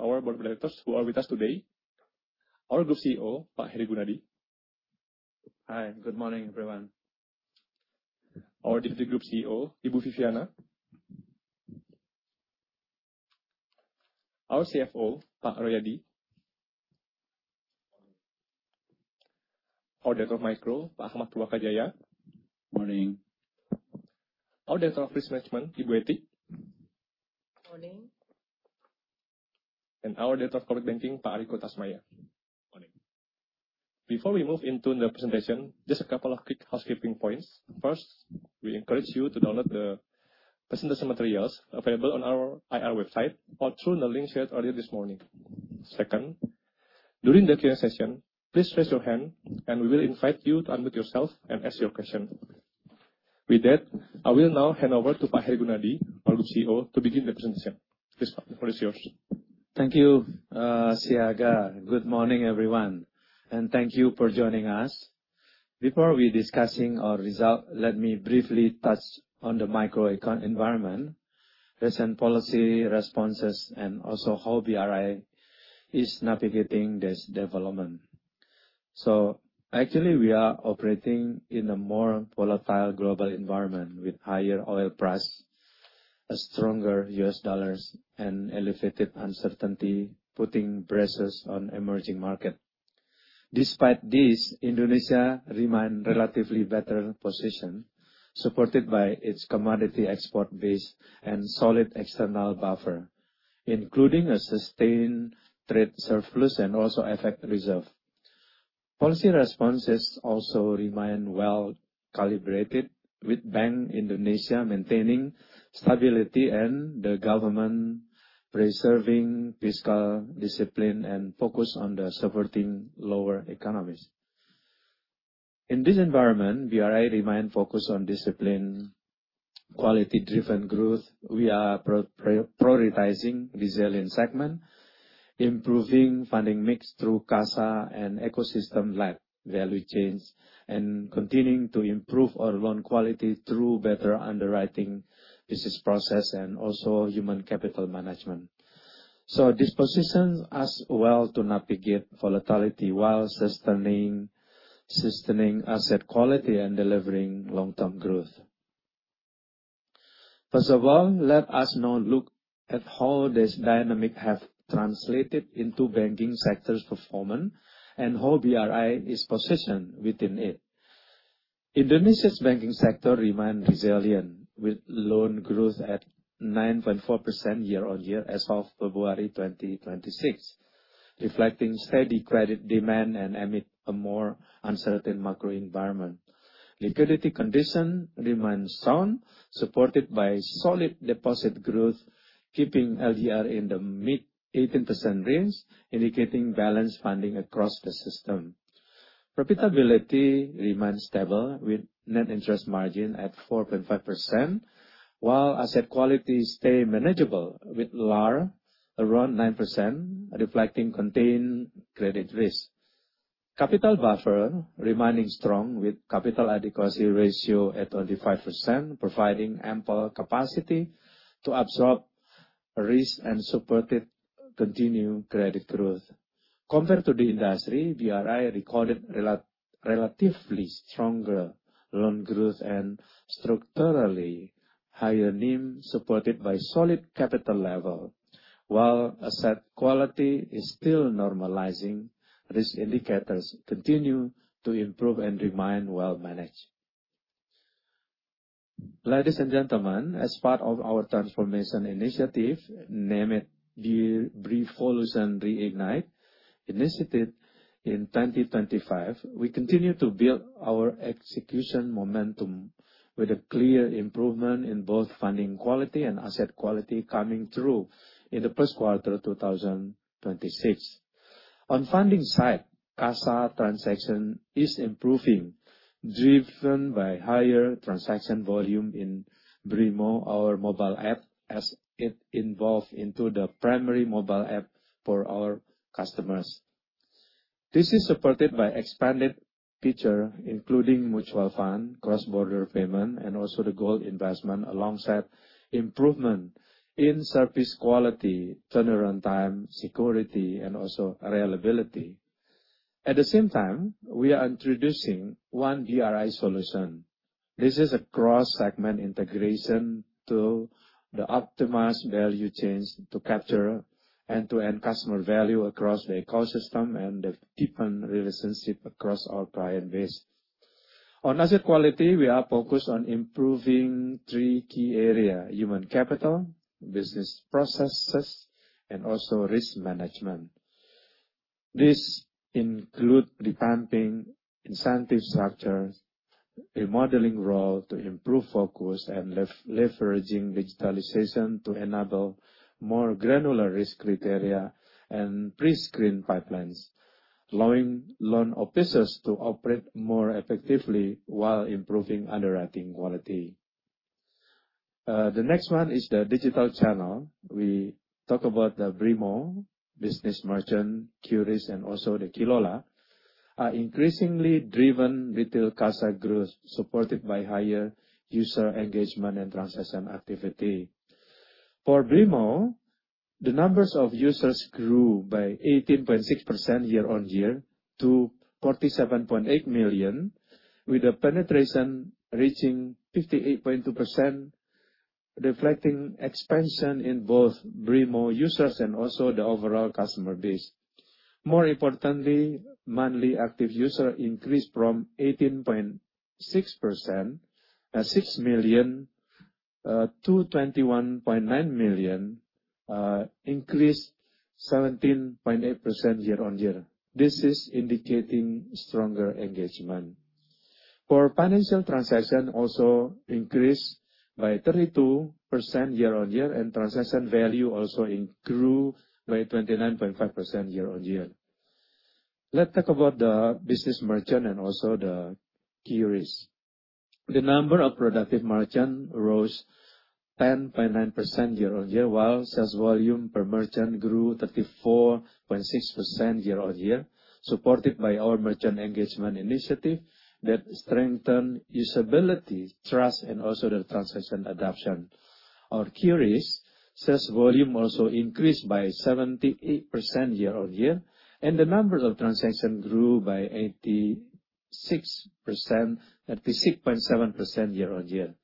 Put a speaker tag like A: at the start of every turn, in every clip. A: Our board of directors who are with us today. Our Group CEO, Pak Hery Gunardi.
B: Hi, good morning, everyone.
A: Our Deputy Group CEO, Ibu Viviana. Our CFO, Pak Royadi. Our Director of Micro, Pak Akhmad Purwakajaya.
C: Morning.
A: Our Director of Risk Management, Ibu Ety.
D: Morning.
A: Our Director of Corporate Banking, Pak Riko Tasmaya.
E: Morning.
A: Before we move into the presentation, just a couple of quick housekeeping points. First, we encourage you to download the presentation materials available on our IR website or through the link shared earlier this morning. Second, during the Q&A session, please raise your hand and we will invite you to unmute yourself and ask your question. With that, I will now hand over to Pak Hery Gunardi, our Group CEO, to begin the presentation. Please, the floor is yours.
B: Thank you, Sayaga. Good morning, everyone, and thank you for joining us. Before we discussing our result, let me briefly touch on the microecon environment, recent policy responses, and also how BRI is navigating this development. Actually, we are operating in a more volatile global environment with higher oil price, a stronger U.S. dollars, and elevated uncertainty putting pressures on emerging market. Despite this, Indonesia remain relatively better positioned, supported by its commodity export base and solid external buffer, including a sustained trade surplus and also FX reserve. Policy responses also remain well-calibrated, with Bank Indonesia maintaining stability and the government preserving fiscal discipline and focus on the supporting lower economies. In this environment, BRI remain focused on discipline, quality-driven growth. We are prioritizing resilient segment, improving funding mix through CASA and ecosystem-led value chains, and continuing to improve our loan quality through better underwriting business process and also human capital management. This positions us well to navigate volatility while sustaining asset quality and delivering long-term growth. First of all, let us now look at how this dynamic have translated into banking sector's performance and how BRI is positioned within it. Indonesia's banking sector remain resilient, with loan growth at 9.4% year-on-year as of February 2026, reflecting steady credit demand and amid a more uncertain macro environment. Liquidity condition remains sound, supported by solid deposit growth, keeping LDR in the mid-18% range, indicating balanced funding across the system. Profitability remains stable, with net interest margin at 4.5%, while asset quality stay manageable, with LAR around 9%, reflecting contained credit risk. Capital buffer remaining strong, with capital adequacy ratio at 25%, providing ample capacity to absorb risk and supported continued credit growth. Compared to the industry, BRI recorded relatively stronger loan growth and structurally higher NIM, supported by solid capital level. While asset quality is still normalizing, risk indicators continue to improve and remain well managed. Ladies and gentlemen, as part of our transformation initiative, named the BRIvolution Reignite, initiated in 2025, we continue to build our execution momentum with a clear improvement in both funding quality and asset quality coming through in the Q1 of 2026. On funding side, CASA transaction is improving, driven by higher transaction volume in BRImo, our mobile app, as it evolved into the primary mobile app for our customers. This is supported by expanded feature, including mutual fund, cross-border payment, and also the gold investment, alongside improvement in service quality, turnaround time, security, and also reliability. At the same time, we are introducing One BRI solution. This is a cross-segment integration to the optimized value chains to capture end-to-end customer value across the ecosystem and deepen relationship across our client base. On asset quality, we are focused on improving three key area: human capital, business processes, and also risk management. This include revamping incentive structure, remodeling role to improve focus, and leveraging digitalization to enable more granular risk criteria and pre-screen pipelines, allowing loan officers to operate more effectively while improving underwriting quality. The next one is the digital channel. We talk about the BRImo, Business Merchant, QRIS, and also the QLola, are increasingly driven retail CASA growth, supported by higher user engagement and transaction activity. For BRImo, the numbers of users grew by 18.6% year-on-year to 47.8 million, with the penetration reaching 58.2%, reflecting expansion in both BRImo users and also the overall customer base. More importantly, monthly active user increased from six million to 21.9 million, increase 17.8% year-on-year. This is indicating stronger engagement. For financial transaction also increased by 32% year-on-year, and transaction value also grew by 29.5% year-on-year. Let's talk about the business merchant and also the QRIS. The number of productive merchant rose 10.9% year-on-year, while sales volume per merchant grew 34.6% year-on-year, supported by our merchant engagement initiative that strengthen usability, trust, and also the transaction adoption. Our QRIS sales volume also increased by 78% year-on-year, and the number of transactions grew by 86%, 86.7% year-on-year.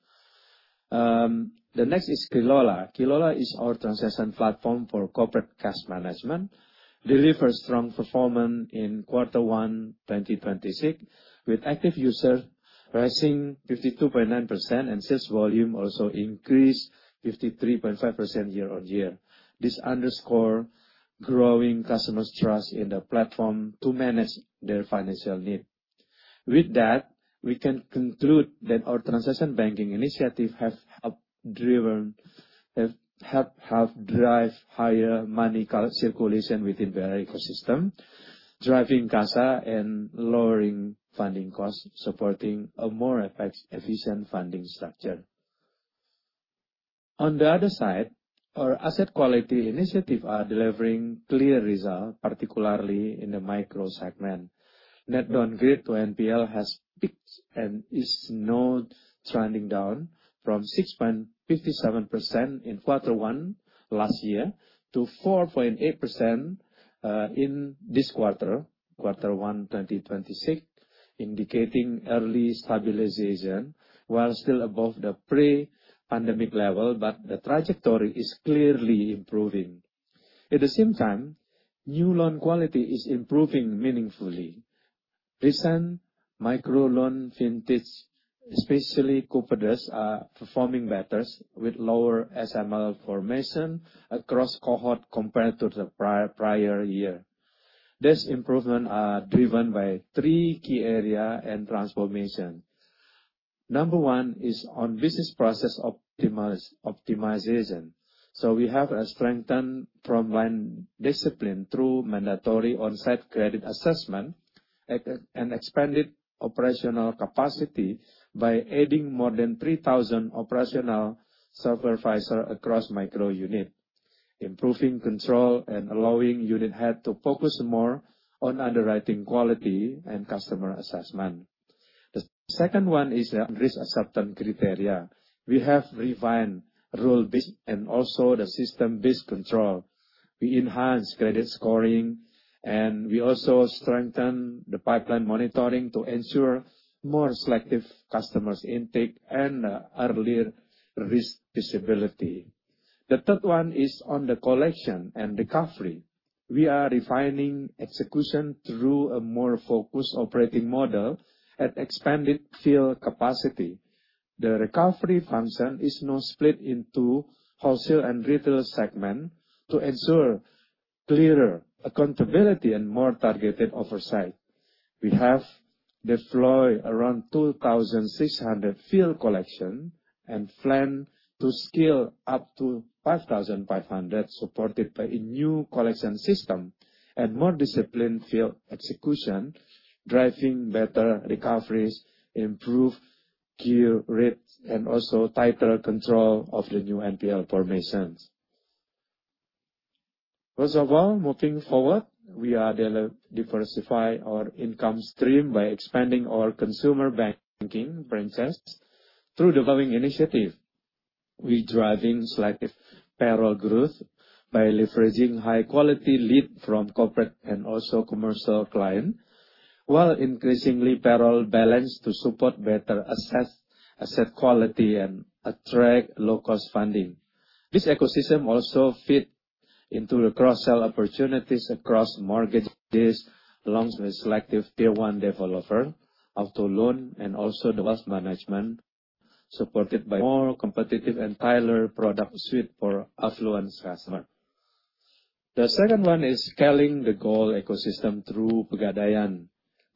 B: The next is QLola. QLola is our transaction platform for corporate cash management, deliver strong performance in Q1 2026, with active users rising 52.9% and sales volume also increased 53.5% year-on-year. This underscore growing customers trust in the platform to manage their financial need. With that, we can conclude that our transaction banking initiative have helped drive higher money circulation within their ecosystem, driving CASA and lowering funding costs, supporting a more effect, efficient funding structure. On the other side, our asset quality initiative are delivering clear results, particularly in the Micro segment. Net downgrade to NPL has peaked and is now trending down from 6.57% in Q1 last year to 4.8% in this quarter, Q1 2026, indicating early stabilization, while still above the pre-pandemic level, the trajectory is clearly improving. At the same time, new loan quality is improving meaningfully. Recent micro loan vintage, especially Kupedes are performing better with lower NPL formation across cohort compared to the prior year. These improvements are driven by three key areas and transformation. Number one is on business process optimization. We have a strengthened frontline discipline through mandatory on-site credit assessment, and expanded operational capacity by adding more than 3,000 operational supervisors across micro unit, improving control and allowing unit head to focus more on underwriting quality and customer assessment. The second one is the risk acceptance criteria. We have refined rule-based and also the system-based control. We enhance credit scoring, and we also strengthen the pipeline monitoring to ensure more selective customers intake and earlier risk visibility. The third one is on the collection and recovery. We are refining execution through a more focused operating model and expanded field capacity. The recovery function is now split into Wholesale and Retail segment to ensure clearer accountability and more targeted oversight. We have deployed around 2,600 field collection and plan to scale up to 5,500, supported by a new collection system and more disciplined field execution, driving better recoveries, improve cure rates, and also tighter control of the new NPL formations. Moving forward, we are diversifying our income stream by expanding our consumer banking branches through the following initiative. We are driving selective payroll growth by leveraging high quality lead from corporate and also commercial clients, while increasingly payroll balance to support better asset quality and attract low cost funding. This ecosystem also fits into the cross-sell opportunities across mortgages, along with selective Tier 1 Developer, auto loan, and also the wealth management, supported by more competitive and tailored product suite for affluent customers. The second one is scaling the gold ecosystem through Pegadaian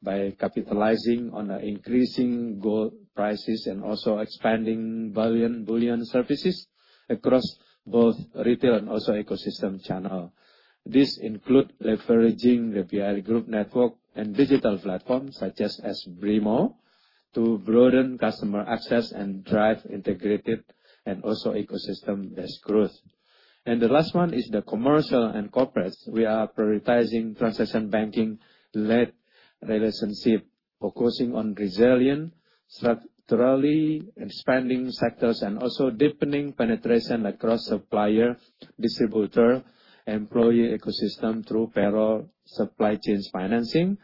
B: by capitalizing on the increasing gold prices and also expanding bullion services across both retail and also ecosystem channel. This include leveraging the BRI Group network and digital platforms such as BRImo to broaden customer access and drive integrated and also ecosystem as growth. The last one is the commercial and corporate. We are prioritizing transaction banking-led relationship, focusing on resilient, structurally expanding sectors, and also deepening penetration across supplier, distributor, employee ecosystem through payroll, supply chains financing,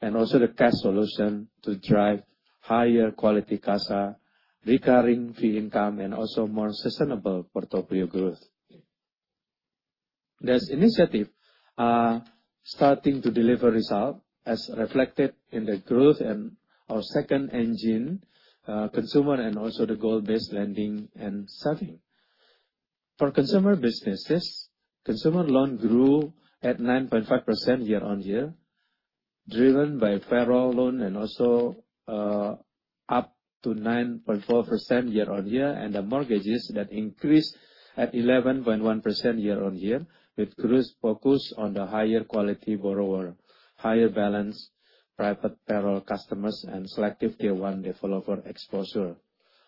B: and also the cash solution to drive higher quality CASA, recurring fee income, and also more sustainable portfolio growth. These initiative are starting to deliver result as reflected in the growth and our second engine, consumer and also the goal-based lending and saving. For consumer businesses, consumer loan grew at 9.5% year-on-year, driven by payroll loan and also up to 9.4% year-on-year, and the mortgages that increased at 11.1% year-on-year, with growth focused on the higher quality borrower, higher balance private payroll customers and Selective Tier 1 Developer Exposure.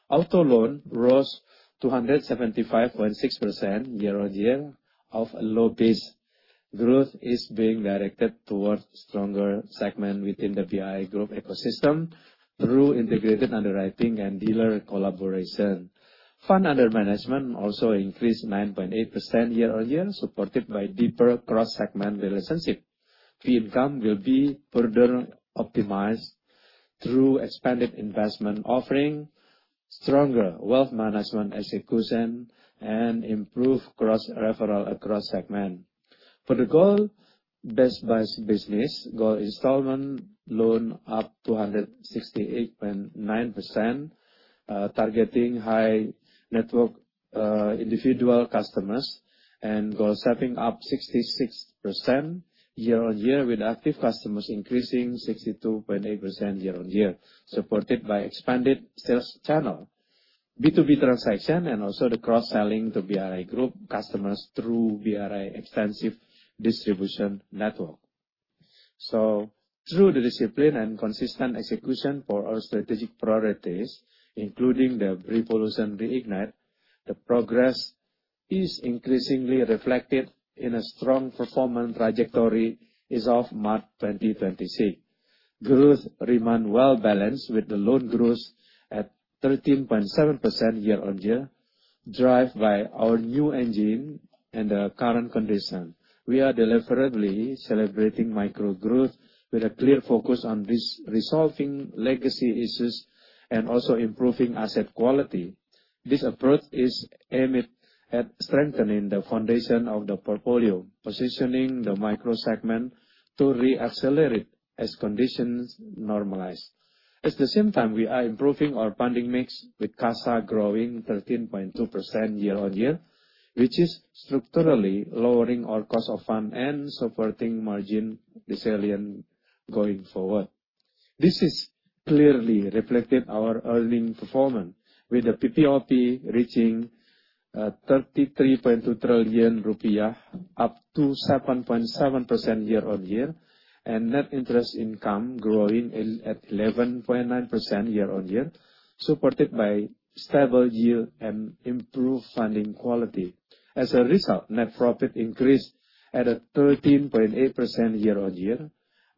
B: Auto loan rose 275.6% year-on-year of a low base. Growth is being directed towards stronger segment within the BRI Group ecosystem through integrated underwriting and dealer collaboration. Fund under management also increased 9.8% year-on-year, supported by deeper cross-segment relationship. Fee income will be further optimized through expanded investment offering, stronger wealth management execution, and improved cross-referral across segment. For the bullion business, bullion installment loan up 268.9%, targeting high net worth individual customers, bullion saving up 66% year on year, with active customers increasing 62.8% year on year, supported by expanded sales channel. B2B transaction and also the cross-selling to BRI Group customers through BRI extensive distribution network. Through the discipline and consistent execution for our strategic priorities, including the BRIvolution Reignite, the progress is increasingly reflected in a strong performance trajectory as of March 2026. Growth remain well balanced with the loan growth at 13.7% year on year, driven by our new engine and the current condition. We are deliberately celebrating micro growth with a clear focus on resolving legacy issues and also improving asset quality. This approach is aimed at strengthening the foundation of the portfolio, positioning Micro segment to re-accelerate as conditions normalize. At the same time, we are improving our funding mix with CASA growing 13.2% year-on-year, which is structurally lowering our cost of fund and supporting margin resilient going forward. This is clearly reflected our earning performance, with the PPOP reaching 33.2 trillion rupiah, up to 7.7% year-on-year, and net interest income growing at 11.9% year-on-year, supported by stable yield and improved funding quality. As a result, net profit increased at a 13.8% year-on-year,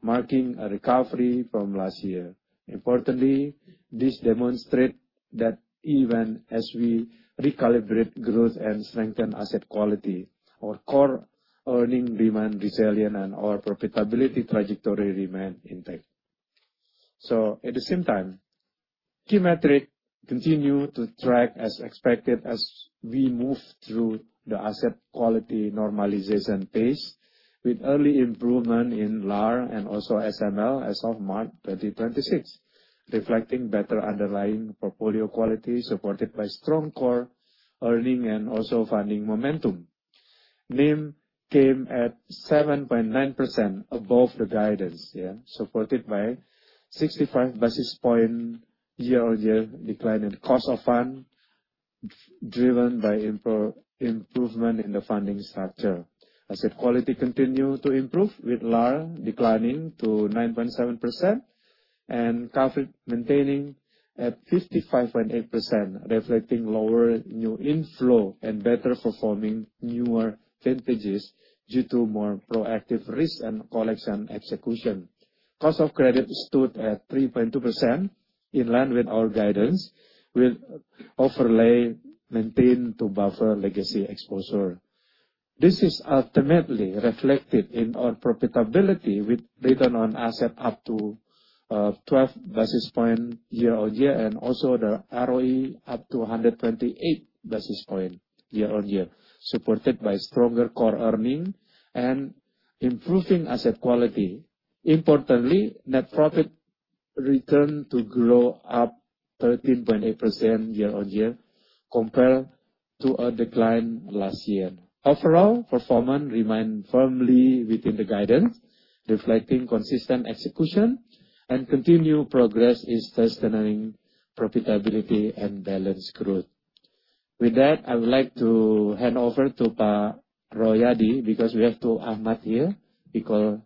B: marking a recovery from last year. Importantly, this demonstrate that even as we recalibrate growth and strengthen asset quality, our core earning remain resilient and our profitability trajectory remain intact. At the same time, key metric continue to track as expected as we move through the asset quality normalization phase, with early improvement in LAR and also SML as of March 2026, reflecting better underlying portfolio quality, supported by strong core earning and also funding momentum. NIM came at 7.9% above the guidance, yeah, supported by 65 basis point year-on-year decline in cost of fund, driven by improvement in the funding structure. Asset quality continue to improve, with LAR declining to 9.7% and coverage maintaining at 55.8%, reflecting lower new inflow and better performing newer vintages due to more proactive risk and collection execution. Cost of Credit stood at 3.2%, in line with our guidance, with overlay maintained to buffer legacy exposure. This is ultimately reflected in our profitability, with return on asset up to 12 basis points year-on-year. The ROE up to 128 basis points year-on-year, supported by stronger core earnings and improving asset quality. Importantly, net profit return to grow up 13.8% year-on-year compared to a decline last year. Overall, performance remains firmly within the guidance, reflecting consistent execution and continued progress is strengthening profitability and balanced growth. With that, I would like to hand over to Pa Royadi, because we have two Achmad here, we call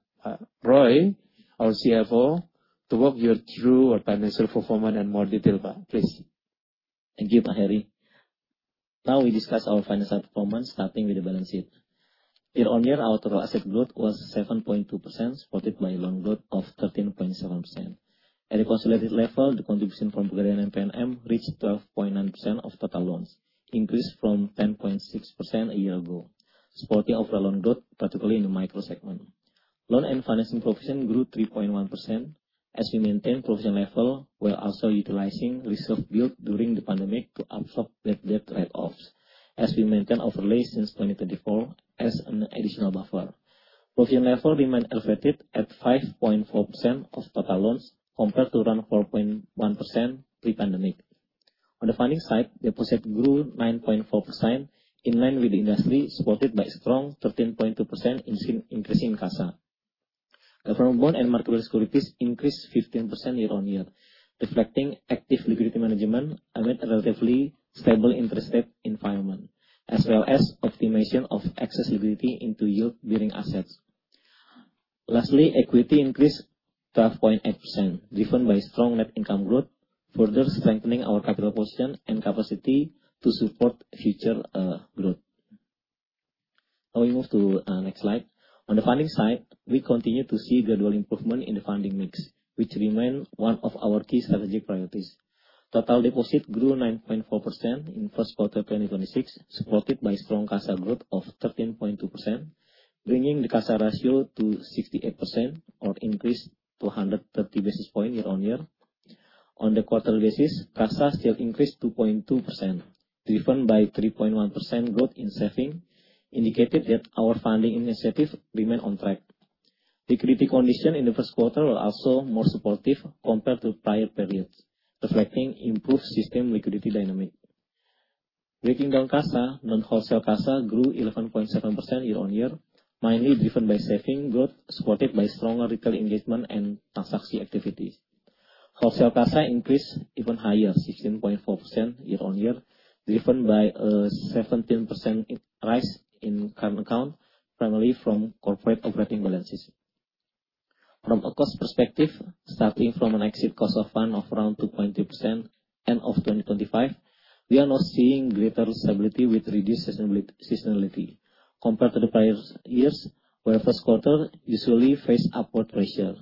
B: Roy our CFO, to walk you through our financial performance in more detail. Pa, please.
F: Thank you, Pak Hery. Now we discuss our financial performance, starting with the balance sheet. Year-on-year, our total asset growth was 7.2%, supported by loan growth of 13.7%. At a consolidated level, the contribution from Pegadaian and PNM reached 12.9% of total loans, increased from 10.6% a year ago, supporting overall loan growth, particularly in the Micro segment. Loan and financing provisions grew 3.1% as we maintain provision level, while also utilizing reserve built during the pandemic to absorb bad debt write-offs, as we maintain overlay since 2024 as an additional buffer. Provision level remain elevated at 5.4% of total loans, compared to around 4.1% pre-pandemic. On the funding side, deposits grew 9.4%, in line with industry, supported by strong 13.2% increase in CASA. From bond and marketable securities increased 15% year-on-year, reflecting active liquidity management amid a relatively stable interest rate environment, as well as optimization of excess liquidity into yield-bearing assets. Lastly, equity increased 12.8%, driven by strong net income growth, further strengthening our capital position and capacity to support future growth. We move to next slide. On the funding side, we continue to see gradual improvement in the funding mix, which remains one of our key strategic priorities. Total deposits grew 9.4% in Q1 2026, supported by strong CASA growth of 13.2%, bringing the CASA ratio to 68% or increase to 130 basis points year-on-year. On the quarter basis, CASA still increased 2.2%, driven by 3.1% growth in saving, indicated that our funding initiative remain on track. Liquidity condition in the Q1 were also more supportive compared to prior periods, reflecting improved system liquidity dynamic. Breaking down CASA, non-wholesale CASA grew 11.7% year-on-year, mainly driven by saving growth, supported by stronger Retail engagement and transaction activity. Wholesale CASA increased even higher, 16.4% year-on-year, driven by a 17% rise in current account, primarily from corporate operating balances. From a cost perspective, starting from an exit cost of fund of around 2.2% end of 2025, we are now seeing greater stability with reduced seasonality compared to the prior years, where Q1 usually face upward pressure.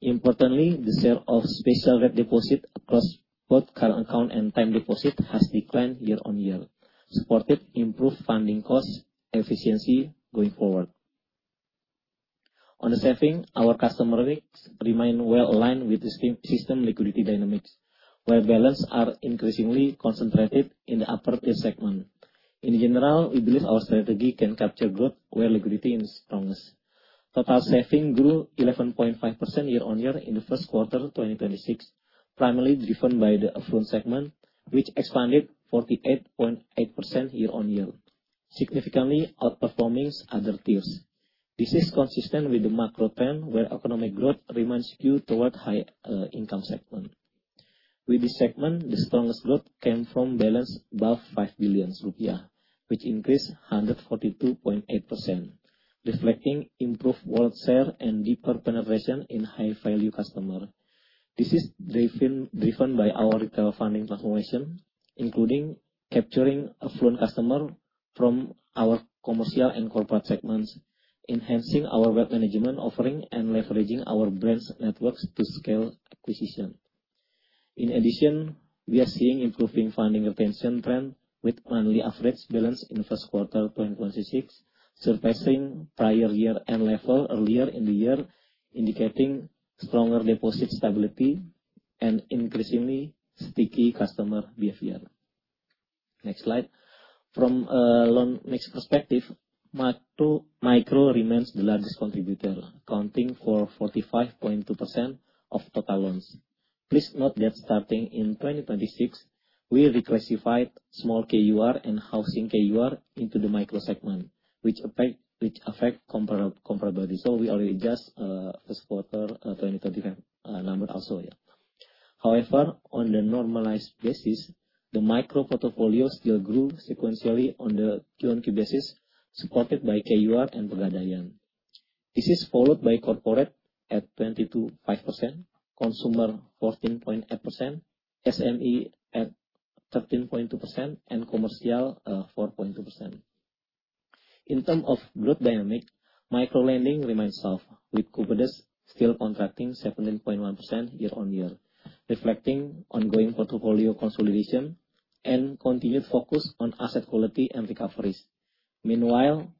F: Importantly, the share of special rate deposit across both current account and time deposit has declined year-on-year, supported improved funding cost efficiency going forward. On the saving, our customer mix remain well aligned with the system liquidity dynamics, where balance are increasingly concentrated in the Upper Tier segment. In general, we believe our strategy can capture growth where liquidity is strongest. Total saving grew 11.5% year-on-year in the Q1 2026, primarily driven by the Affluent segment, which expanded 48.8% year-on-year, significantly outperforming other tiers. This is consistent with the macro trend, where economic growth remains skewed toward high income segment. Within segment, the strongest growth came from balance above 5 billion rupiah, which increased 142.8%, reflecting improved wallet share and deeper penetration in high-value customer. This is driven by our retail funding transformation, including capturing affluent customer from our commercial and corporate segments, enhancing our wealth management offering, and leveraging our branch networks to scale acquisition. In addition, we are seeing improving funding retention trend with monthly average balance in Q1 2026 surpassing prior year-end level earlier in the year, indicating stronger deposit stability and increasingly sticky customer behavior. Next slide. From a loan mix perspective, Micro remains the largest contributor, accounting for 45.2% of total loans. Please note that starting in 2026, we reclassified small KUR and housing KUR into Micro segment, which affect comparability. We already adjust Q1 2025 number also. On the normalized basis, the micro portfolio still grew sequentially on the QOQ basis, supported by KUR and Pegadaian. This is followed by Corporate at 22.5%, Consumer 14.8%, SME at 13.2%, Commercial 4.2%. In terms of growth dynamic, micro-lending remains soft, with Kupedes still contracting 17.1% year-on-year, reflecting ongoing portfolio consolidation and continued focus on asset quality and recoveries.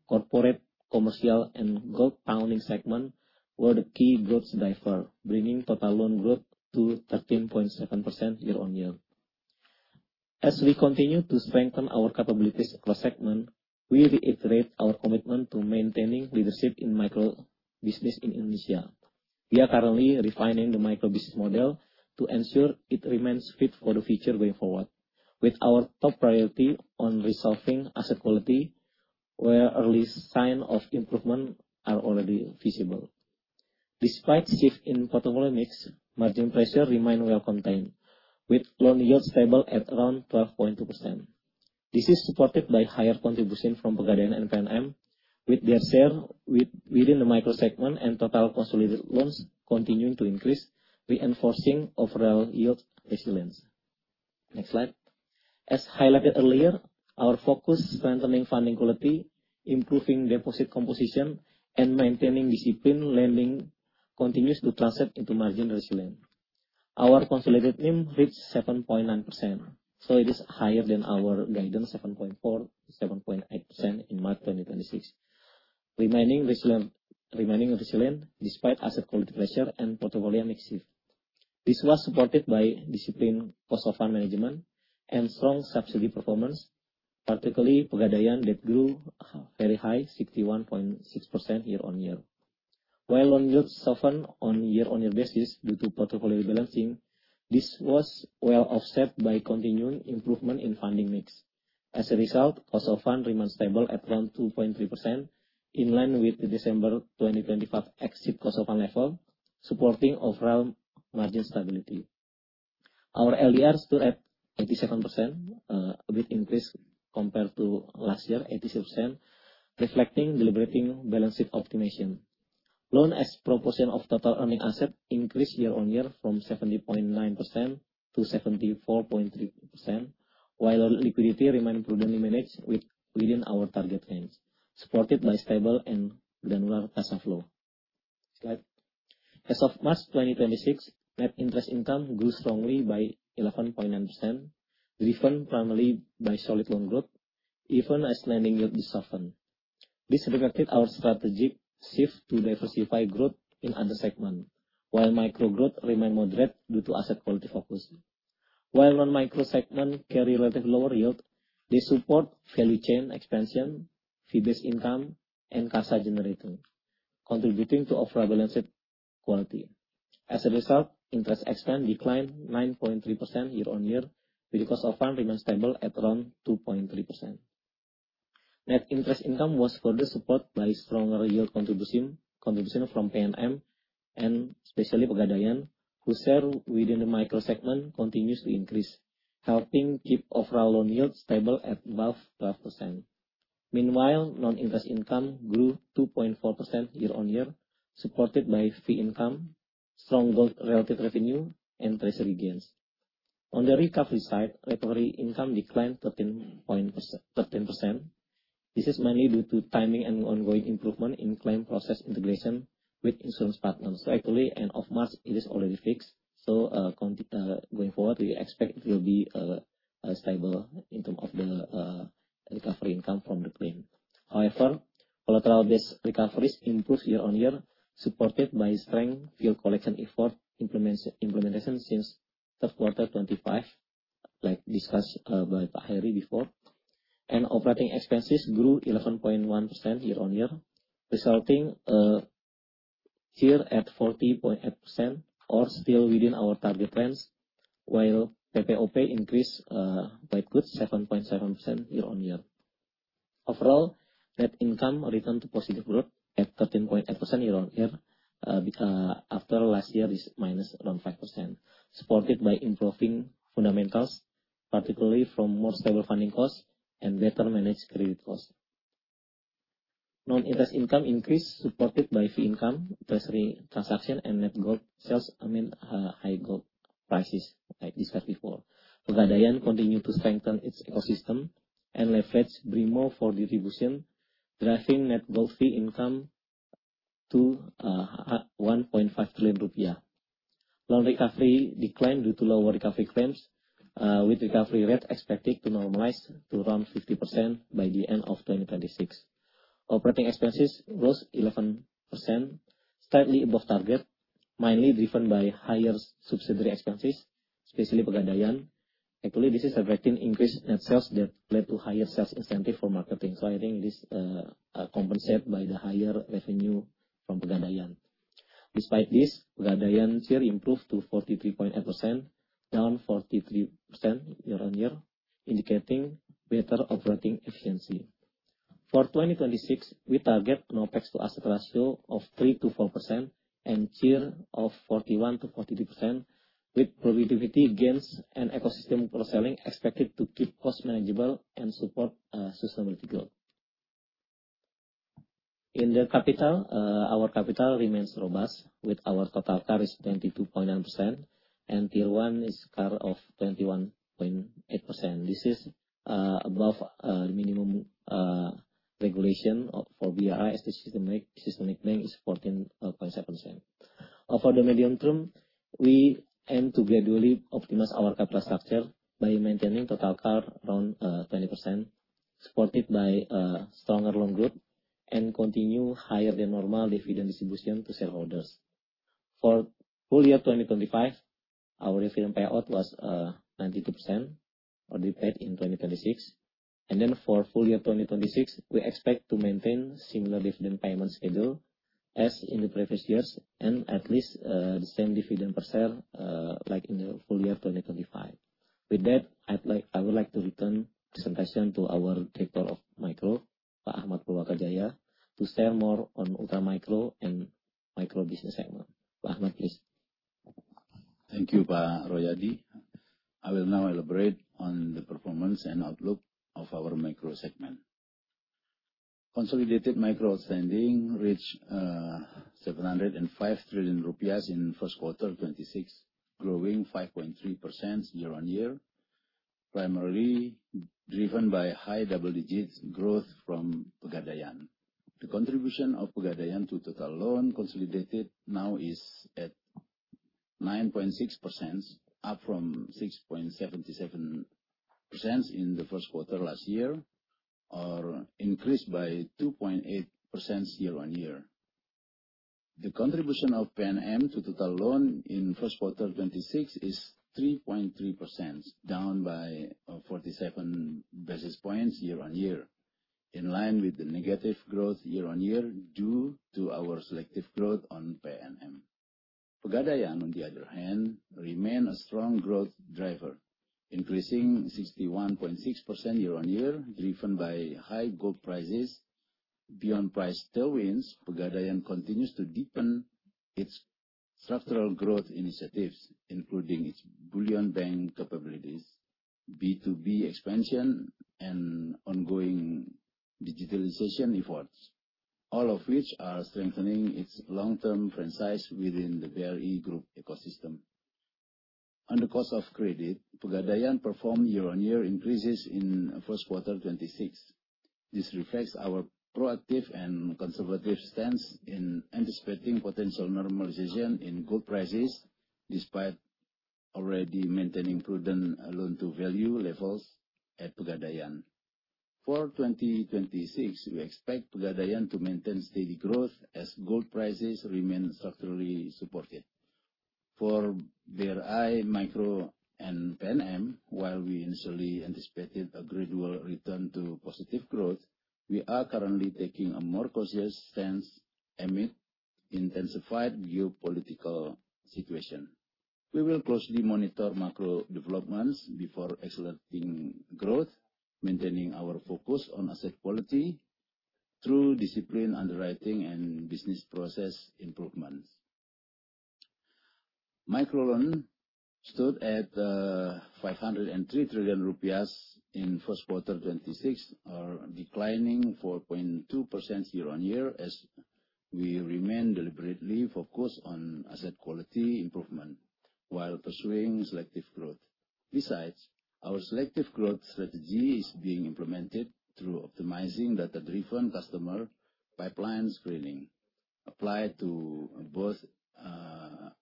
F: Corporate, Commercial, and Gold Loaning segment were the key growth driver, bringing total loan growth to 13.7% year-on-year. As we continue to strengthen our capabilities across segment, we reiterate our commitment to maintaining leadership in micro business in Indonesia. We are currently refining the micro business model to ensure it remains fit for the future going forward, with our top priority on resolving asset quality, where early sign of improvement are already visible. Despite shift in portfolio mix, margin pressure remain well contained, with loan yield stable at around 12.2%. This is supported by higher contribution from Pegadaian and PNM, with their share within Micro segment and total consolidated loans continuing to increase, reinforcing overall yield resilience. Next slide. As highlighted earlier, our focus strengthening funding quality, improving deposit composition, and maintaining disciplined lending continues to translate into margin resilience. Our consolidated NIM reached 7.9%. It is higher than our guidance 7.4%-7.8% in March 2026. Remaining resilient, remaining resilient despite asset quality pressure and portfolio mix shift. This was supported by disciplined cost of fund management and strong subsidy performance, particularly Pegadaian that grew very high, 61.6% year-on-year. While loan yield softened on year-on-year basis due to portfolio rebalancing, this was well offset by continuing improvement in funding mix. As a result, cost of fund remains stable at around 2.3%, in line with the December 2025 exit cost of fund level, supporting overall margin stability. Our LDR stood at 87%, a bit increase compared to last year, 86%, reflecting deliberating balance sheet optimization. Loan as proportion of total earning asset increased year-on-year from 70.9%-74.3%, while liquidity remained prudently managed within our target range, supported by stable and granular cash flow. Next slide. As of March 2026, net interest income grew strongly by 11.9%, driven primarily by solid loan growth, even as lending yield did soften. This reflected our strategic shift to diversify growth in other segment, while micro growth remained moderate due to asset quality focus. non-Micro segment carry relative lower yield, they support value chain expansion, fee-based income, and cash generator, contributing to overall balanced quality. As a result, interest expense declined 9.3% year-on-year with cost of fund remains stable at around 2.3%. Net interest income was further supported by stronger yield contribution from PNM and especially Pegadaian, whose share within Micro segment continues to increase, helping keep overall loan yield stable at above 12%. Meanwhile, non-interest income grew 2.4% year-on-year, supported by fee income, strong gold-related revenue, and treasury gains. On the recovery side, recovery income declined 13%. This is mainly due to timing and ongoing improvement in claim process integration with insurance partners. Actually, end of March, it is already fixed. Going forward, we expect it will be stable in term of the recovery income from the claim. However, collateral-based recoveries improved year-on-year, supported by strength field collection effort implementation since Q3 2025, like discussed by Pak Hery before. Operating expenses grew 11.1% year-on-year, resulting here at 40.8% or still within our target range, while PPOP increased quite good, 7.7% year-on-year. Overall, net income returned to positive growth at 13.8% year-on-year, after last year is minus around 5%, supported by improving fundamentals, particularly from more stable funding costs and better managed credit costs. Non-interest income increased, supported by fee income, treasury transaction, and net gold sales amid high gold prices, like discussed before. Pegadaian continued to strengthen its ecosystem and leverage BRImo for distribution, driving net gold fee income to 1.5 trillion rupiah. Loan recovery declined due to lower recovery claims, with recovery rate expected to normalize to around 50% by the end of 2026. Operating expenses rose 11%, slightly above target, mainly driven by higher subsidiary expenses, especially Pegadaian. Actually, this is reflecting increased net sales that led to higher sales incentive for marketing. I think this compensate by the higher revenue from Pegadaian. Despite this, Pegadaian SIR improved to 43.8%, down 43% year-on-year, indicating better operating efficiency. For 2026, we target OPEX to asset ratio of 3%-4% and SIR of 41%-43%, with productivity gains and ecosystem cross-selling expected to keep costs manageable and support sustainability growth. In the capital, our capital remains robust, with our total CAR is 22.9%, and Tier 1 is CAR of 21.8%. This is above the minimum regulation of, for BRI as the systemic bank is 14.7%. Over the medium term, we aim to gradually optimize our capital structure by maintaining total CAR around 20%, supported by stronger loan growth and continue higher than normal dividend distribution to shareholders. For full year 2025, our dividend payout was 92%, or declared in 2026. For full year 2026, we expect to maintain similar dividend payment schedule as in the previous years and at least the same dividend per share like in the full year 2025. With that, I would like to return presentation to our Director of Micro, Pak Akhmad Purwakajaya, to share more on Ultra Micro and Micro business segment. Pak Akhmad, please.
C: Thank you, Pak Royadi. I will now elaborate on the performance and outlook of Micro segment. consolidated micro outstanding reached IDR 705 trillion in Q1 2026, growing 5.3% year-on-year, primarily driven by high double digits growth from Pegadaian. The contribution of Pegadaian to total loan consolidated now is at 9.6%, up from 6.77% in Q1 last year, or increased by 2.8% year-on-year. The contribution of PNM to total loan in Q1 2026 is 3.3%, down by 47 basis points year-on-year, in line with the negative growth year-on-year due to our selective growth on PNM. Pegadaian, on the other hand, remain a strong growth driver, increasing 61.6% year-on-year, driven by high gold prices. Beyond price tailwinds, Pegadaian continues to deepen its structural growth initiatives, including its bullion bank capabilities, B2B expansion, and ongoing digitalization efforts, all of which are strengthening its long-term franchise within the BRI Group ecosystem. On the Cost of Credit, Pegadaian performed year-on-year increases in Q1 2026. This reflects our proactive and conservative stance in anticipating potential normalization in gold prices, despite already maintaining prudent loan-to-value levels at Pegadaian. For 2026, we expect Pegadaian to maintain steady growth as gold prices remain structurally supported. For BRI Micro and PNM, while we initially anticipated a gradual return to positive growth, we are currently taking a more cautious stance amid intensified geopolitical situation. We will closely monitor macro developments before accelerating growth, maintaining our focus on asset quality through disciplined underwriting and business process improvements. Micro loan stood at IDR 503 trillion in Q1 2026 or declining 4.2% year-on-year as we remain deliberately focused on asset quality improvement while pursuing selective growth. Besides, our selective growth strategy is being implemented through optimizing data-driven customer pipeline screening applied to both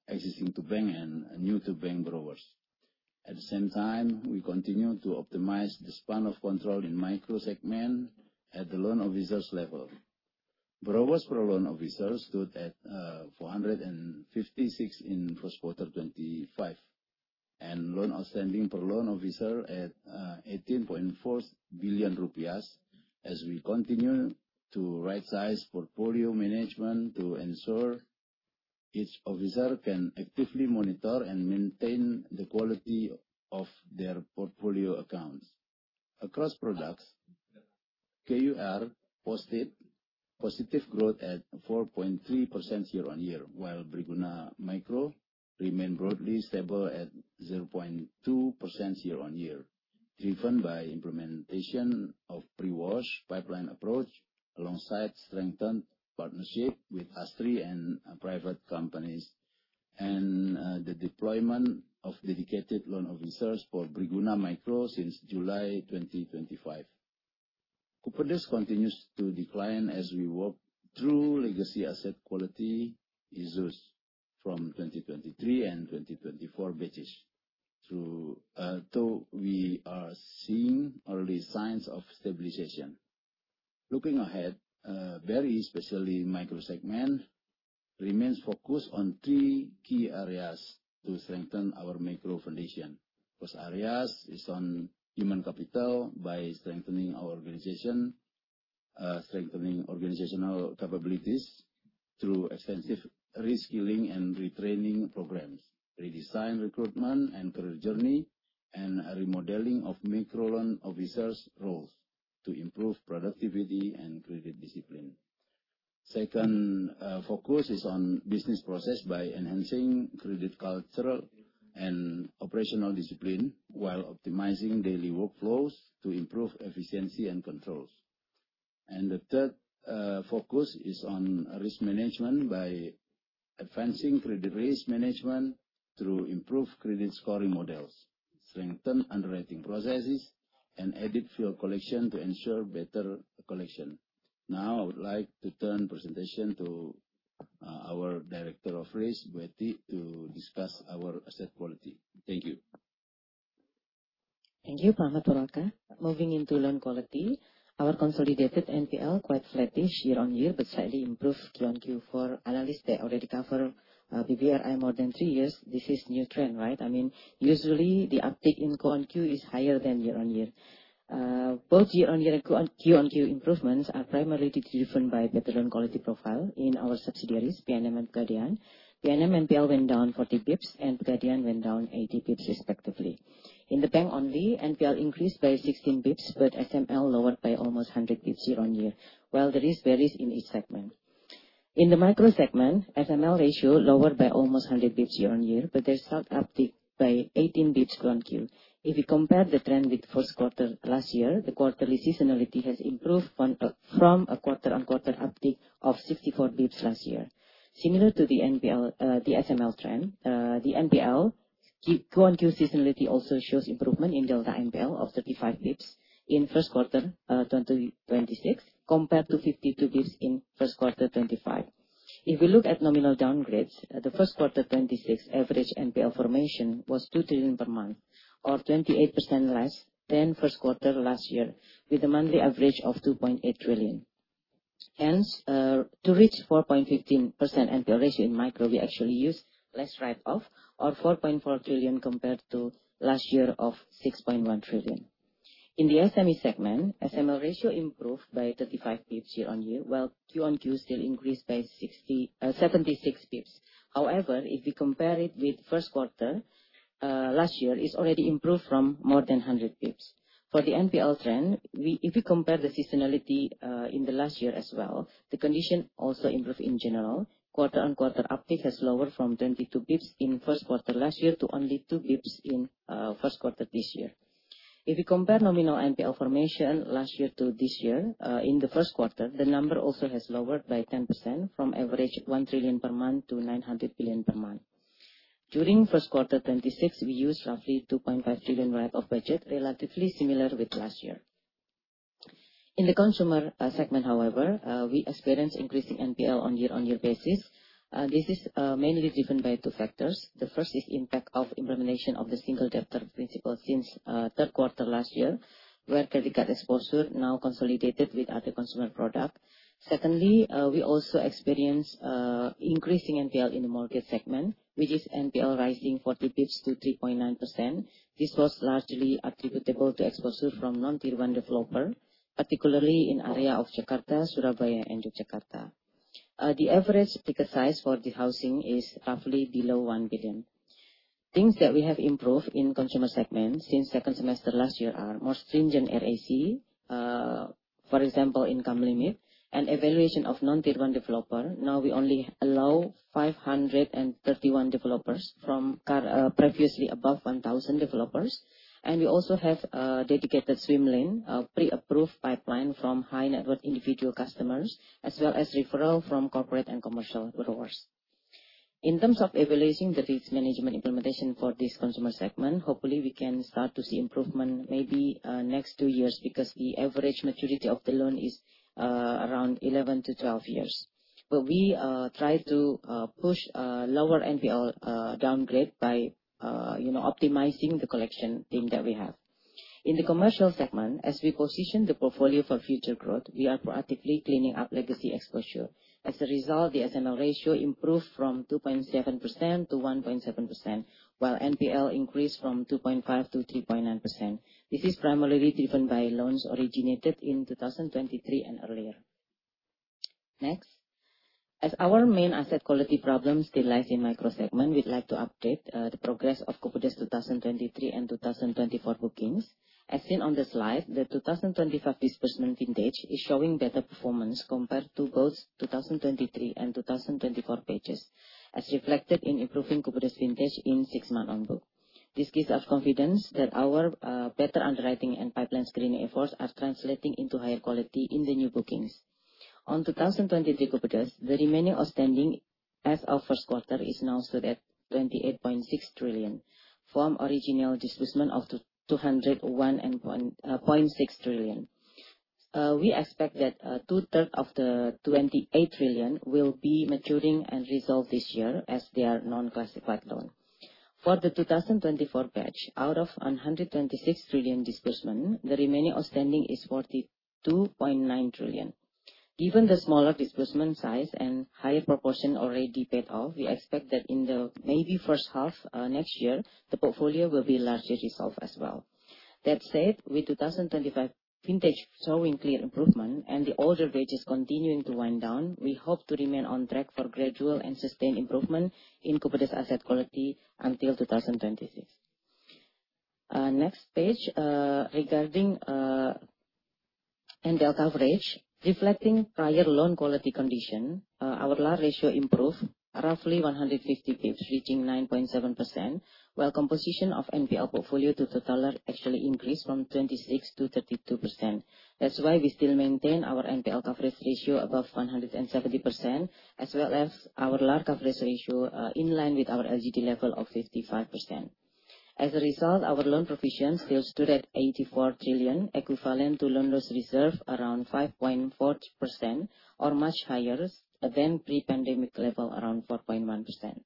C: existing to bank and new to bank borrowers. At the same time, we continue to optimize the span of control Micro segment at the loan officers level. Borrowers per loan officers stood at 456 in Q1 2025, and loan outstanding per loan officer at 18.4 billion rupiah as we continue to rightsize portfolio management to ensure each officer can actively monitor and maintain the quality of their portfolio accounts. Across products, KUR posted positive growth at 4.3% year-on-year, while Briguna Mikro remained broadly stable at 0.2% year-on-year, driven by implementation of pre-washed pipeline approach alongside strengthened partnership with ASRI and private companies and the deployment of dedicated loan officers for Briguna Mikro since July 2025. Kupedes continues to decline as we work through legacy asset quality issues from 2023 and 2024 batches, though we are seeing early signs of stabilization. Looking ahead, very Micro segment remains focused on three key areas to strengthen our micro foundation. First areas is on human capital by strengthening our organization, strengthening organizational capabilities through extensive reskilling and retraining programs, redesign recruitment and career journey, and a remodeling of micro loan officers roles to improve productivity and credit discipline. Second, focus is on business process by enhancing credit cultural and operational discipline while optimizing daily workflows to improve efficiency and controls. The third, focus is on risk management by advancing credit risk management through improved credit scoring models, strengthen underwriting processes, and added field collection to ensure better collection. Now, I would like to turn presentation to our Director of Risk, Ety, to discuss our asset quality. Thank you.
D: Thank you, Pak Purwakajaya. Moving into loan quality, our consolidated NPL quite flattish year-on-year, but slightly improved Q-on-Q. For analysts, they already cover BBRI more than three years. This is new trend, right? I mean, usually the uptake in Q-on-Q is higher than year-on-year. Both year-on-year and Q-on-Q improvements are primarily driven by better loan quality profile in our subsidiaries, PNM and Pegadaian. PNM NPL went down 40 basis points and Pegadaian went down 80 basis points respectively. In the bank only, NPL increased by 16 basis points, but SML lowered by almost 100 basis points year-on-year, while the risk varies in each segment. in Micro segment, SML ratio lowered by almost 100 basis points year-on-year, but there's sharp uptick by 18 basis points Q-on-Q. If you compare the trend with Q1 last year, the quarterly seasonality has improved on from a Q-on-Q uptick of 64 basis points last year. Similar to the NPL, the SML trend, the NPL QOQ seasonality also shows improvement in delta NPL of 35 basis points in Q1 2026, compared to 52 basis points in Q1 2025. If we look at nominal downgrades, the Q1 2026 average NPL formation was 2 trillion per month or 28% less than Q1 last year, with a monthly average of 2.8 trillion. Hence, to reach 4.15% NPL ratio in micro, we actually use less write-off or 4.4 trillion compared to last year of 6.1 trillion. In the SME segment, SML ratio improved by 35 basis points year-over-year, while Q-on-Q still increased by 76 basis points. If we compare it with Q1 last year, it's already improved from more than 100 basis points. For the NPL trend, if we compare the seasonality in the last year as well, the condition also improved in general. Quarter-on-quarter uptick has lowered from 22 basis points in Q1 last year to only 2 basis points in Q1 this year. If we compare nominal NPL formation last year to this year, in the Q1, the number also has lowered by 10% from average 1 trillion per month to 900 billion per month. During Q1 2026, we used roughly 2.5 trillion write-off budget, relatively similar with last year. In the Consumer segment, however, we experienced increasing NPL on year-on-year basis. This is mainly driven by two factors. The first is impact of implementation of the single debtor principle since Q3 last year, where credit card exposure now consolidated with other consumer product. Secondly, we also experienced increasing NPL in the Mortgage segment, which is NPL rising 40 bps to 3.9%. This was largely attributable to exposure from non-Tier 1 developer, particularly in area of Jakarta, Surabaya, and Yogyakarta. The average ticket size for the housing is roughly below 1 billion. Things that we have improved in Consumer segment since 2nd semester last year are more stringent RAC, for example, income limit and evaluation of non-tier 1 developer. Now we only allow 531 developers from previously above 1,000 developers. We also have a dedicated swim lane, a pre-approved pipeline from high-net-worth individual customers, as well as referral from corporate and commercial borrowers. In terms of evaluating the risk management implementation for this consumer segment, hopefully we can start to see improvement maybe next two years because the average maturity of the loan is around 11-12 years. We try to push lower NPL downgrade by, you know, optimizing the collection team that we have. In the Commercial segment, as we position the portfolio for future growth, we are proactively cleaning up legacy exposure. As a result, the SML ratio improved from 2.7%-1.7%, while NPL increased from 2.5%-3.9%. This is primarily driven by loans originated in 2023 and earlier. Next, as our main asset quality problem still lies Micro segment, we'd like to update the progress of Kupedes 2023 and 2024 bookings. As seen on the slide, the 2025 disbursement vintage is showing better performance compared to both 2023 and 2024 pages, as reflected in improving Kupedes vintage in six months on book. This gives us confidence that our better underwriting and pipeline screening efforts are translating into higher quality in the new bookings. On 2023 Kupedes, the remaining outstanding as of Q1 is now stood at 28.6 trillion from original disbursement of 201.6 trillion. We expect that two-third of the 28 trillion will be maturing and resolve this year as they are non-classified loan. For the 2024 batch, out of 126 trillion disbursement, the remaining outstanding is 42.9 trillion. Given the smaller disbursement size and higher proportion already paid off, we expect that in the maybe first half next year, the portfolio will be largely resolved as well. That said, with 2025 vintage showing clear improvement and the older batches continuing to wind down, we hope to remain on track for gradual and sustained improvement in Kupedes asset quality until 2026. Next page, regarding NPL coverage, reflecting prior loan quality condition, our LAR ratio improved roughly 150 basis points, reaching 9.7%, while composition of NPL portfolio to total actually increased from 26%-32%. That's why we still maintain our NPL coverage ratio above 170%, as well as our LAR coverage ratio, in line with our LGD level of 55%. As a result, our loan provisions still stood at 84 trillion, equivalent to loan loss reserve around 5.4% or much higher than pre-pandemic level, around 4.1%.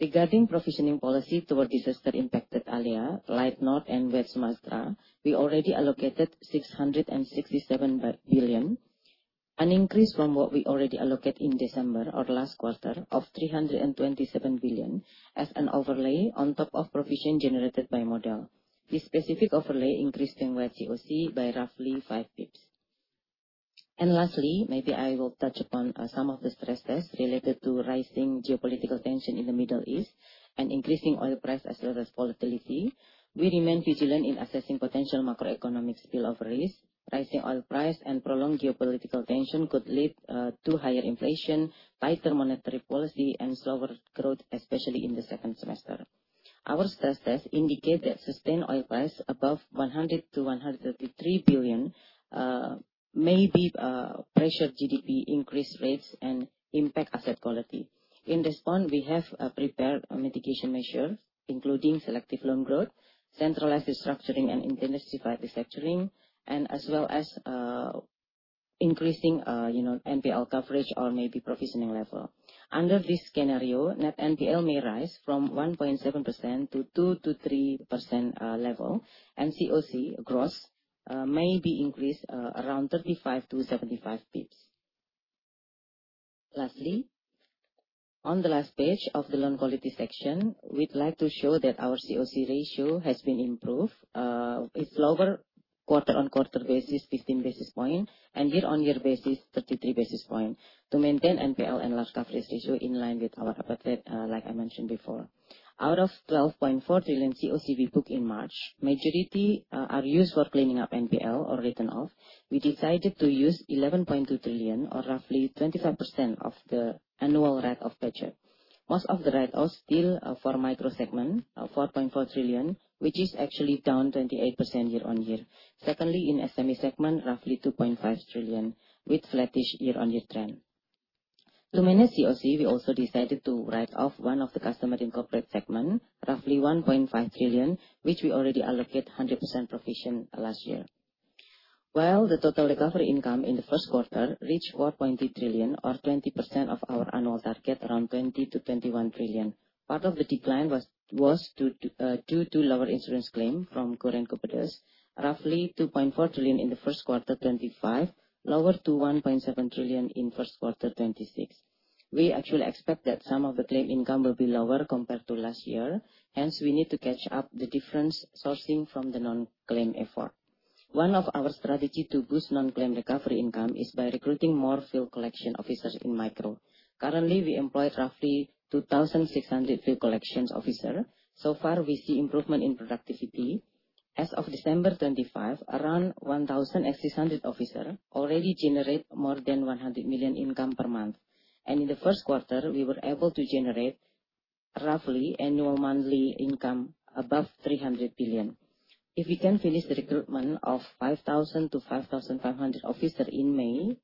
D: Regarding provisioning policy toward disaster impacted area like North and West Sumatra, we already allocated 667 billion, an increase from what we already allocate in December or last quarter of 327 billion as an overlay on top of provision generated by model. This specific overlay increased NWA CoC by roughly 5 basis points. Lastly, maybe I will touch upon some of the stress tests related to rising geopolitical tension in the Middle East and increasing oil price as well as volatility. We remain vigilant in assessing potential macroeconomic spillover risk. Rising oil price and prolonged geopolitical tension could lead to higher inflation, tighter monetary policy and slower growth, especially in the second semester. Our stress test indicate that sustained oil price above 100 billion-133 billion may be pressure GDP increase rates and impact asset quality. In response, we have prepared a mitigation measure, including selective loan growth, centralized restructuring and intensified restructuring, and as well as increasing, you know, NPL coverage or maybe provisioning level. Under this scenario, net NPL may rise from 1.7% to 2%-3% level, and CoC gross may be increased around 35-75 basis points. Lastly, on the last page of the loan quality section, we'd like to show that our CoC ratio has been improved. It's lower quarter-on-quarter basis 15 basis points, and year-on-year basis 33 basis points to maintain NPL and large coverage ratio in line with our appetite, like I mentioned before. Out of 12.4 trillion CoC we booked in March, majority are used for cleaning up NPL or written off. We decided to use 11.2 trillion or roughly 25% of the annual write-off budget. Most of the write-offs still are micro segment, 4.4 trillion, which is actually down 28% year-over-year. Secondly, in SME segment, roughly 2.5 trillion with flattish year-over-year trend. To manage CoC, we also decided to write off one of the customer in corporate segment, roughly 1.5 trillion, which we already allocate 100% provision last year. While the total recovery income in the Q1 reached 4.3 trillion or 20% of our annual target, around 20 trillion-21 trillion. Part of the decline was due to lower insurance claim from current competitors, roughly 2.4 trillion in the Q1 2025, lower to 1.7 trillion in Q1 2026. We actually expect that some of the claim income will be lower compared to last year, hence we need to catch up the difference sourcing from the non-claim effort. One of our strategy to boost non-claim recovery income is by recruiting more field collection officers in micro. Currently, we employ roughly 2,600 field collections officer. So far, we see improvement in productivity. As of December 25, around 1,600 officer already generate more than 100 million income per month. In the Q1, we were able to generate roughly annual monthly income above 300 billion. If we can finish the recruitment of 5,000-5,500 officer in May,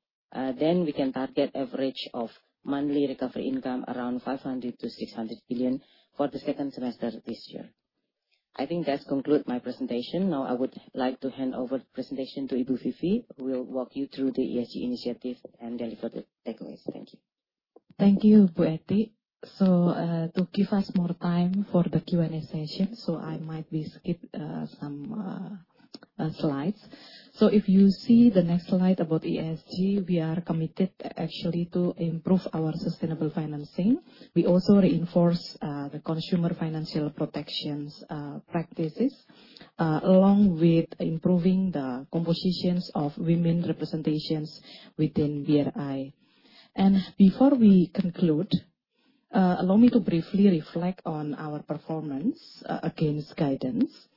D: then we can target average of monthly recovery income around 500 billion-600 billion for the second semester this year. I think that conclude my presentation. I would like to hand over the presentation to Ibu Vivi, who will walk you through the ESG initiative and then for the takeaways. Thank you.
G: Thank you, Bu Ety. To give us more time for the Q&A session, I might be skip some slides. If you see the next slide about ESG, we are committed actually to improve our sustainable financing. We also reinforce the consumer financial protections practices along with improving the compositions of women representations within BRI. Before we conclude, allow me to briefly reflect on our performance against guidance.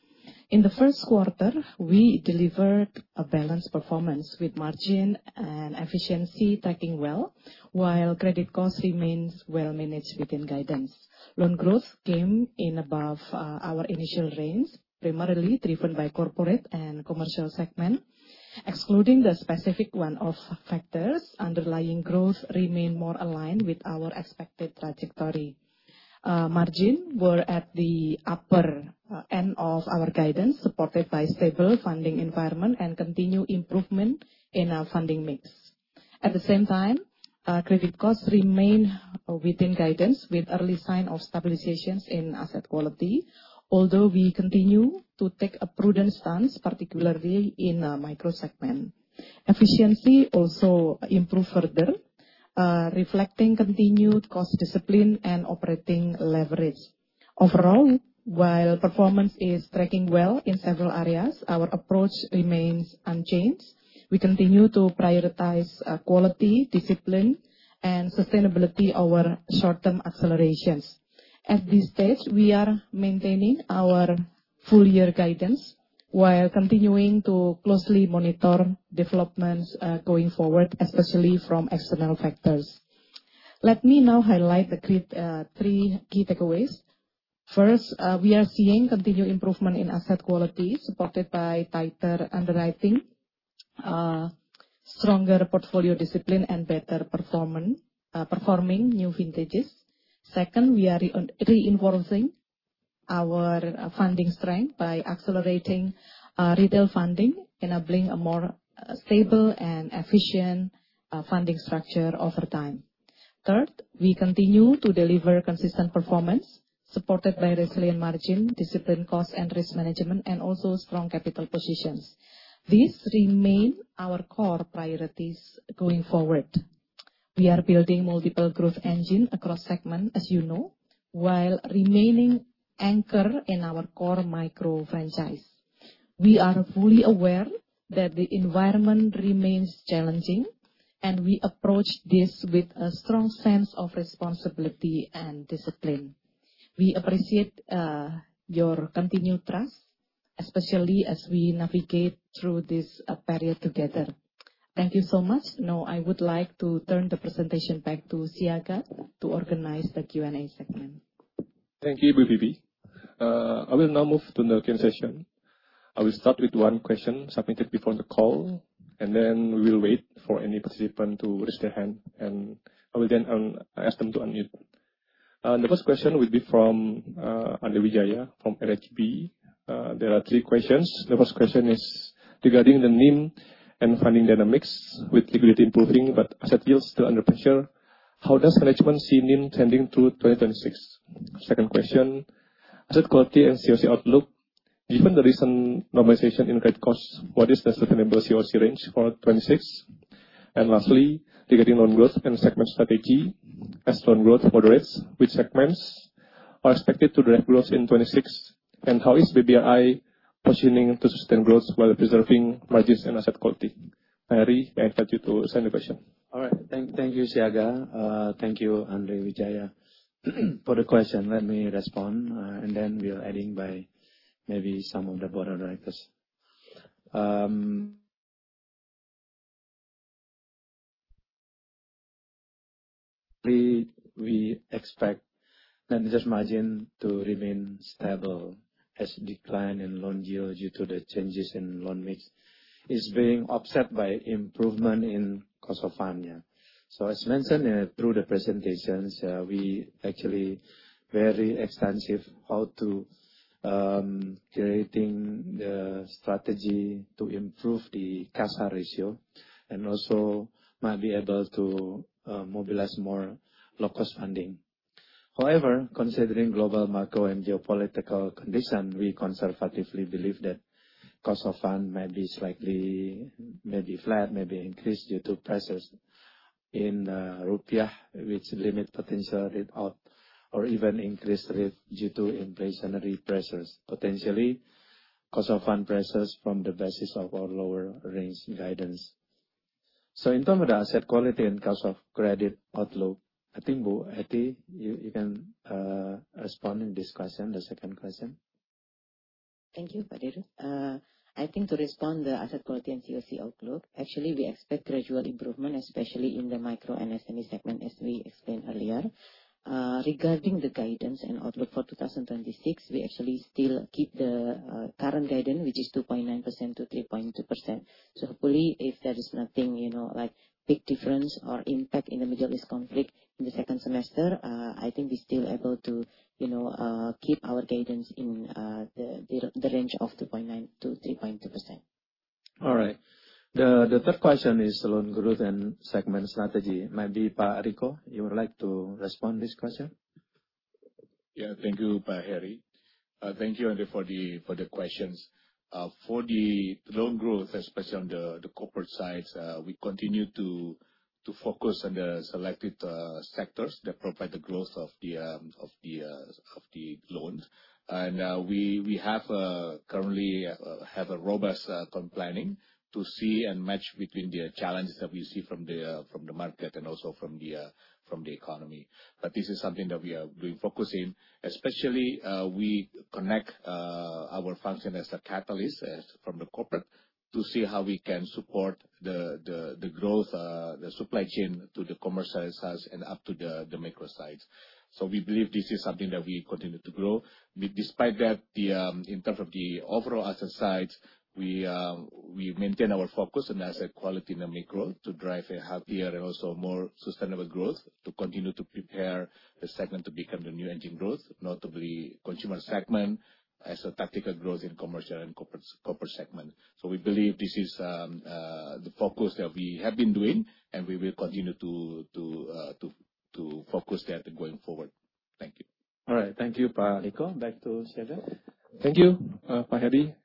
G: In the Q1, we delivered a balanced performance with margin and efficiency tracking well, while credit cost remains well managed within guidance. Loan growth came in above our initial range, primarily driven by corporate and commercial segment. Excluding the specific one-off factors, underlying growth remained more aligned with our expected trajectory. Margin were at the upper end of our guidance, supported by stable funding environment and continued improvement in our funding mix. At the same time, credit costs remain within guidance with early sign of stabilizations in asset quality, although we continue to take a prudent stance, particularly Micro segment. efficiency also improved further, reflecting continued cost discipline and operating leverage. Overall, while performance is tracking well in several areas, our approach remains unchanged. We continue to prioritize quality, discipline, and sustainability over short-term accelerations. At this stage, we are maintaining our full year guidance while continuing to closely monitor developments going forward, especially from external factors. Let me now highlight the three key takeaways. First, we are seeing continued improvement in asset quality, supported by tighter underwriting, stronger portfolio discipline and better performing new vintages. Second, we are re-reinforcing our funding strength by accelerating retail funding, enabling a more stable and efficient funding structure over time. Third, we continue to deliver consistent performance supported by resilient margin, disciplined cost and risk management, and also strong capital positions. These remain our core priorities going forward. We are building multiple growth engine across segment, as you know, while remaining anchor in our core micro franchise. We are fully aware that the environment remains challenging. We approach this with a strong sense of responsibility and discipline. We appreciate your continued trust, especially as we navigate through this period together. Thank you so much. Now I would like to turn the presentation back to Siaga to organize the Q&A segment.
A: Thank you, Bu Vivi. I will now move to the Q&A session. I will start with one question submitted before the call, and then we will wait for any participant to raise their hand, and I will then ask them to unmute. The first question will be from Andre Wijaya from NH Korindo Sekuritas. There are three questions. The first question is regarding the NIM and funding dynamics with liquidity improving, but asset yields still under pressure. How does management see NIM trending through 2026? Second question, asset quality and CoC outlook. Given the recent normalization in rate costs, what is the sustainable CoC range for 2026? Lastly, regarding loan growth and segment strategy, as loan growth moderates, which segments are expected to drive growth in 2026, and how is BBRI positioning to sustain growth while preserving margins and asset quality? Hery, I invite you to answer the question.
B: All right. Thank you, Siaga. Thank you Andre Wijaya for the question. Let me respond, then we are adding by maybe some of the Board of Directors. We expect net interest margin to remain stable as decline in loan yield due to the changes in loan mix is being offset by improvement in cost of funding. Yeah. As mentioned, through the presentations, we actually very extensive how to creating the strategy to improve the CASA ratio, also might be able to mobilize more low-cost funding. However, considering global macro and geopolitical condition, we conservatively believe that cost of fund may be slightly, may be flat, may be increased due to pressures in Rupiah, which limit potential rate out or even increased rate due to inflationary pressures, potentially cost of fund pressures from the basis of our lower range guidance. In term of the asset quality and Cost of Credit outlook, I think, Bu Ety, you can respond in this question, the second question.
D: Thank you, Pak Dirut. I think to respond the asset quality and CoC outlook, actually we expect gradual improvement, especially in the Micro and SME segment, as we explained earlier. Regarding the guidance and outlook for 2026, we actually still keep the current guidance, which is 2.9%-3.2%. Hopefully if there is nothing, you know, like big difference or impact in the Middle East conflict in the second semester, I think we're still able to, you know, keep our guidance in the range of 2.9%-3.2%.
B: All right. The third question is loan growth and segment strategy. Pak Riko, you would like to respond this question.
E: Thank you, Pak Hery. Thank you, Andre, for the questions. For the loan growth, especially on the corporate side, we continue to focus on the selected sectors that provide the growth of the loans. We currently have a robust planning to see and match between the challenges that we see from the market and also from the economy. This is something that we are being focused in, especially, we connect our function as a catalyst, as from the Corporate to see how we can support the growth, the supply chain to the Commercial side and up to the Micro side. We believe this is something that we continue to grow. Despite that, the in terms of the overall asset side, we maintain our focus on asset quality and organic growth to drive a healthier and also more sustainable growth to continue to prepare the segment to become the new engine growth, notably consumer segment as a tactical growth in Commercial and Corporate segment. We believe this is the focus that we have been doing, and we will continue to focus that going forward. Thank you.
B: All right. Thank you, Pak Riko. Back to Siaga.
A: Thank you, Pak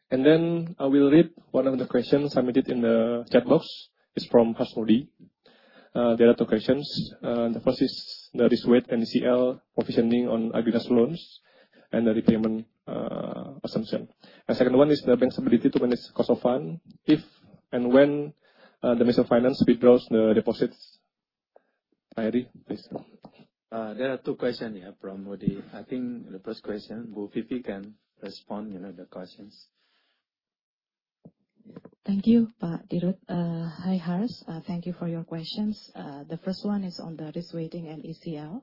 A: Hery. Then I will read one of the questions submitted in the chat box. It's from Harsh Modi. There are two questions. The first is the risk weight ECL provisioning on Agrinas loans and the repayment assumption. Second one is the bank's ability to manage cost of fund if and when the Ministry of Finance withdraws the deposits. Pak Hery, please.
B: There are two questions, yeah, from Modi. I think the first question, Bu Vivi can respond, you know, the questions.
G: Thank you, Pak Dirut. Hi, Harsh. Thank you for your questions. The first one is on the risk weighting and ECL.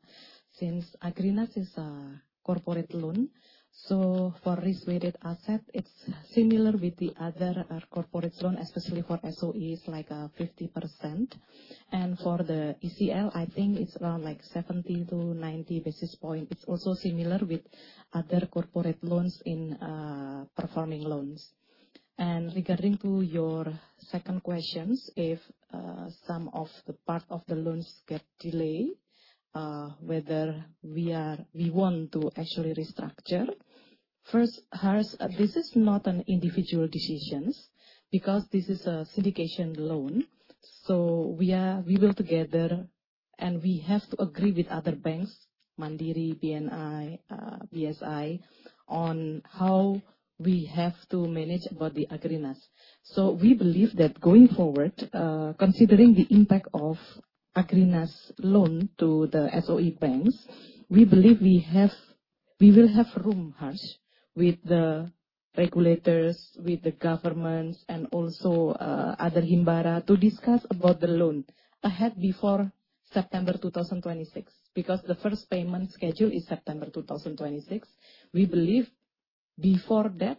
G: Since Agrinas is a corporate loan, so for risk-weighted asset, it's similar with the other corporate loan, especially for SOEs, like 50%. For the ECL, I think it's around like 70 to 90 basis points. It's also similar with other corporate loans in performing loans. Regarding to your second question, if some of the part of the loans get delayed, whether we want to actually restructure. First, Harsh, this is not an individual decision because this is a syndication loan. We work together, and we have to agree with other banks, Mandiri, BNI, BSI, on how we have to manage about the Agrinas. We believe that going forward, considering the impact of Agrinas loan to the SOE banks, we believe we have- We will have room, Harsh, with the regulators, with the governments, and also other Himbara to discuss about the loan ahead before September 2026, because the first payment schedule is September 2026. We believe before that,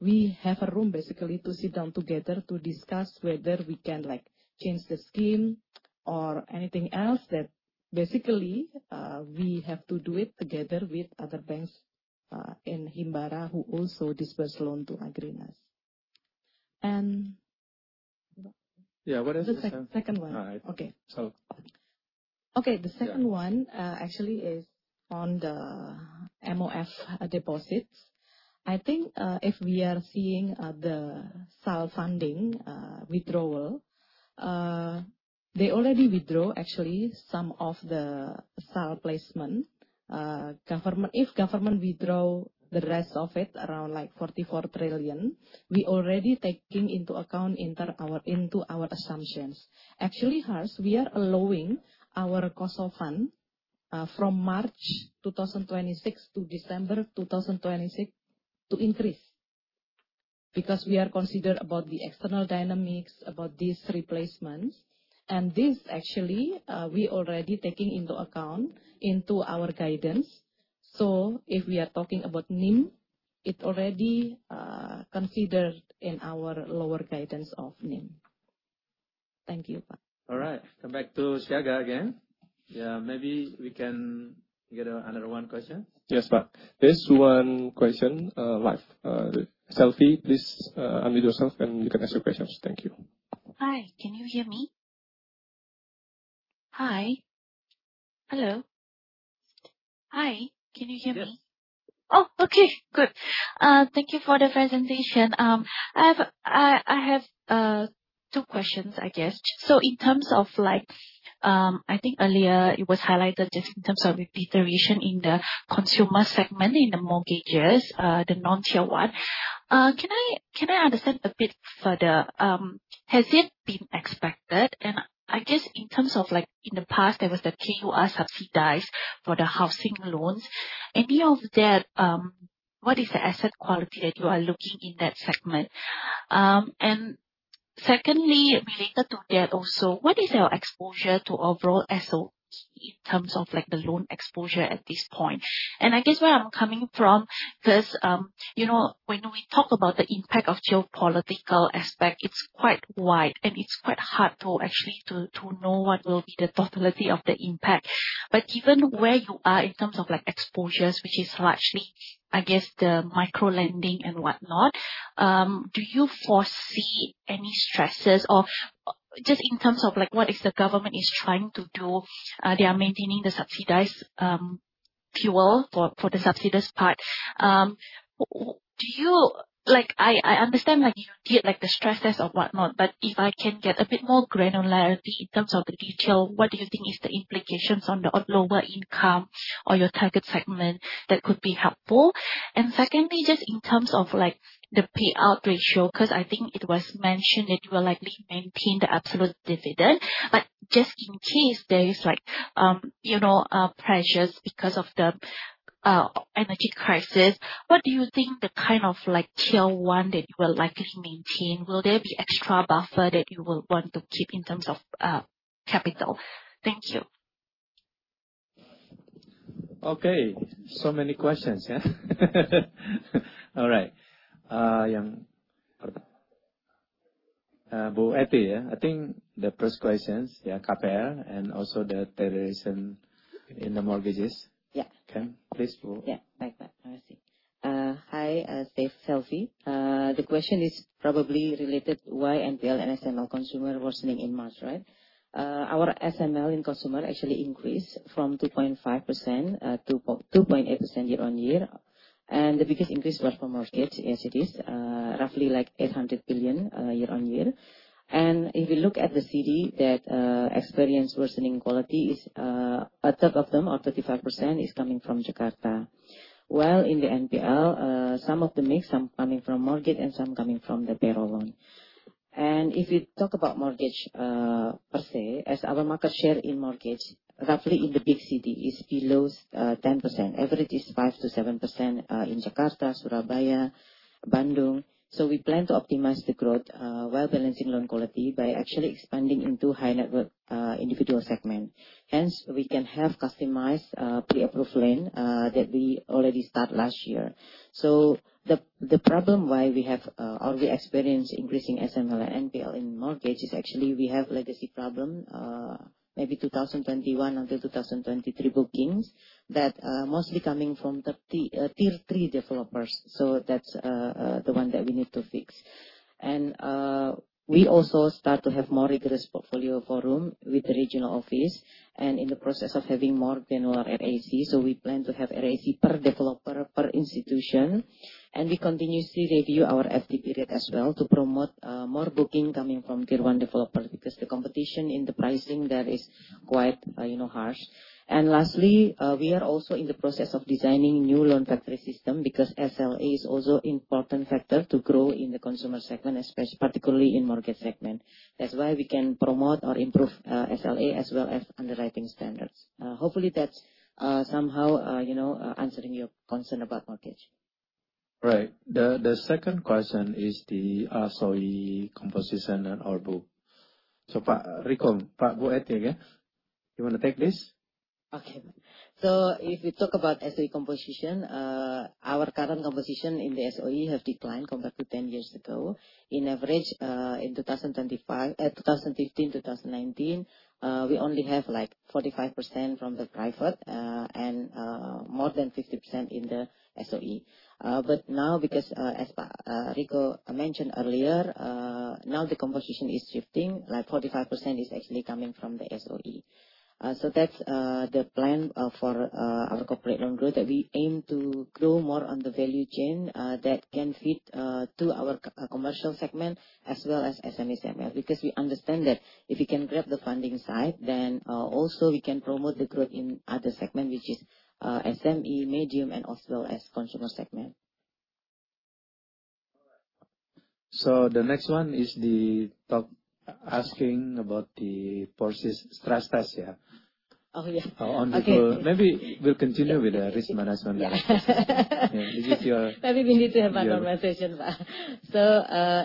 G: we have a room basically to sit down together to discuss whether we can, like, change the scheme or anything else that basically we have to do it together with other banks in Himbara who also disperse loan to Agrinas.
B: Yeah, what else?
G: The second one.
B: All right.
G: Okay.
B: So.
G: Okay. The second one, actually is on the MOF deposits. I think, if we are seeing, the SAL funding, withdrawal, they already withdraw actually some of the SAL placement. If government withdraw the rest of it, around like 44 trillion, we already taking into account into our assumptions. Actually, Harsh, we are allowing our cost of fund, from March 2026 to December 2026 to increase, because we are considered about the external dynamics about these replacements. This actually, we already taking into account into our guidance. If we are talking about NIM, it already considered in our lower guidance of NIM. Thank you, Pak.
B: All right. Come back to Siaga again. Yeah, maybe we can get a another one question.
A: Yes, Pak. There's one question live. Selfie, please unmute yourself and you can ask your questions. Thank you.
H: Hi. Can you hear me? Hi. Hello. Hi, can you hear me?
A: Yes.
H: Okay, good. Thank you for the presentation. I have two questions, I guess. In terms of like, I think earlier it was highlighted just in terms of reiteration in the consumer segment, in the mortgages, the non-Tier 1. Can I understand a bit further, has it been expected? I guess in terms of like in the past there was the KUR subsidized for the housing loans. In view of that, what is the asset quality that you are looking in that segment? Secondly, related to that also, what is your exposure to overall SOE in terms of like the loan exposure at this point? I guess where I'm coming from, 'cause, you know, when we talk about the impact of geopolitical aspect, it's quite wide and it's quite hard actually to know what will be the totality of the impact. Given where you are in terms of like exposures, which is largely, I guess, the micro-lending and whatnot, do you foresee any stresses? Just in terms of like what is the government is trying to do, they are maintaining the subsidized fuel for the subsidies part. I understand like you did the stresses or whatnot, but if I can get a bit more granularity in terms of the detail, what do you think is the implications on the lower income or your target segment, that could be helpful. Secondly, just in terms of like the payout ratio, 'cause I think it was mentioned that you will likely maintain the absolute dividend. Just in case there is like, you know, pressures because of the energy crisis, what do you think the kind of like Tier 1 that you will likely maintain? Will there be extra buffer that you will want to keep in terms of capital? Thank you.
B: Okay. Many questions, yeah. All right. Bu Ety, yeah. I think the first questions, yeah, KPR, and also the tiered in the mortgages.
D: Yeah.
B: Please, Bu.
D: Like that. Merci. Hi, this is Selfie. The question is probably related why NPL and SML consumer worsening in March, right? Our SML in consumer actually increased from 2.5%-2.8% year-on-year. The biggest increase was from mortgage as it is roughly like 800 billion year-on-year. If you look at the city that experience worsening quality is a third of them or 35% is coming from Jakarta. While in the NPL, some of the mix, some coming from mortgage and some coming from the payroll loan. If you talk about mortgage per se, as our market share in mortgage, roughly in the big city is below 10%. Average is 5%-7% in Jakarta, Surabaya, Bandung. We plan to optimize the growth while balancing loan quality by actually expanding into high net worth individual segment. Hence, we can have customized pre-approval loan that we already start last year. The problem why we have already experienced increasing SML and NPL in mortgage is actually we have legacy problem, maybe 2021 until 2023 bookings that mostly coming from 30 Tier 3 Developers. That's the one that we need to fix. We also start to have more rigorous portfolio forum with the regional office and in the process of having more granular RAC. We plan to have RAC per developer, per institution, and we continuously review our FTP rate as well to promote more booking coming from Tier 1 Developers because the competition in the pricing there is quite, you know, harsh. Lastly, we are also in the process of designing new loan factory system because SLA is also important factor to grow in the consumer segment, particularly in mortgage segment. That's why we can promote or improve SLA as well as underwriting standards. Hopefully that's somehow, you know, answering your concern about mortgage.
B: Right. The second question is the SOE composition in our book. Pak Riko, Bu Ety, yeah, you wanna take this?
D: If we talk about SOE composition, our current composition in the SOE have declined compared to 10 years ago. In average, in 2025, 2015, 2019, we only have like 45% from the private, and more than 50% in the SOE. Now because, as Riko mentioned earlier, now the composition is shifting, like 45% is actually coming from the SOE. That's the plan for our corporate loan growth, that we aim to grow more on the value chain that can fit to our Commercial segment as well as SMEs, because we understand that if we can grab the funding side, then also we can promote the growth in other segment, which is SME, medium, and also as Consumer segment.
B: The next one is the top asking about the process stress test.
D: Oh, yeah. Okay.
B: Maybe we'll continue with the risk management. Yeah.
D: Maybe we need to have another session, Pak.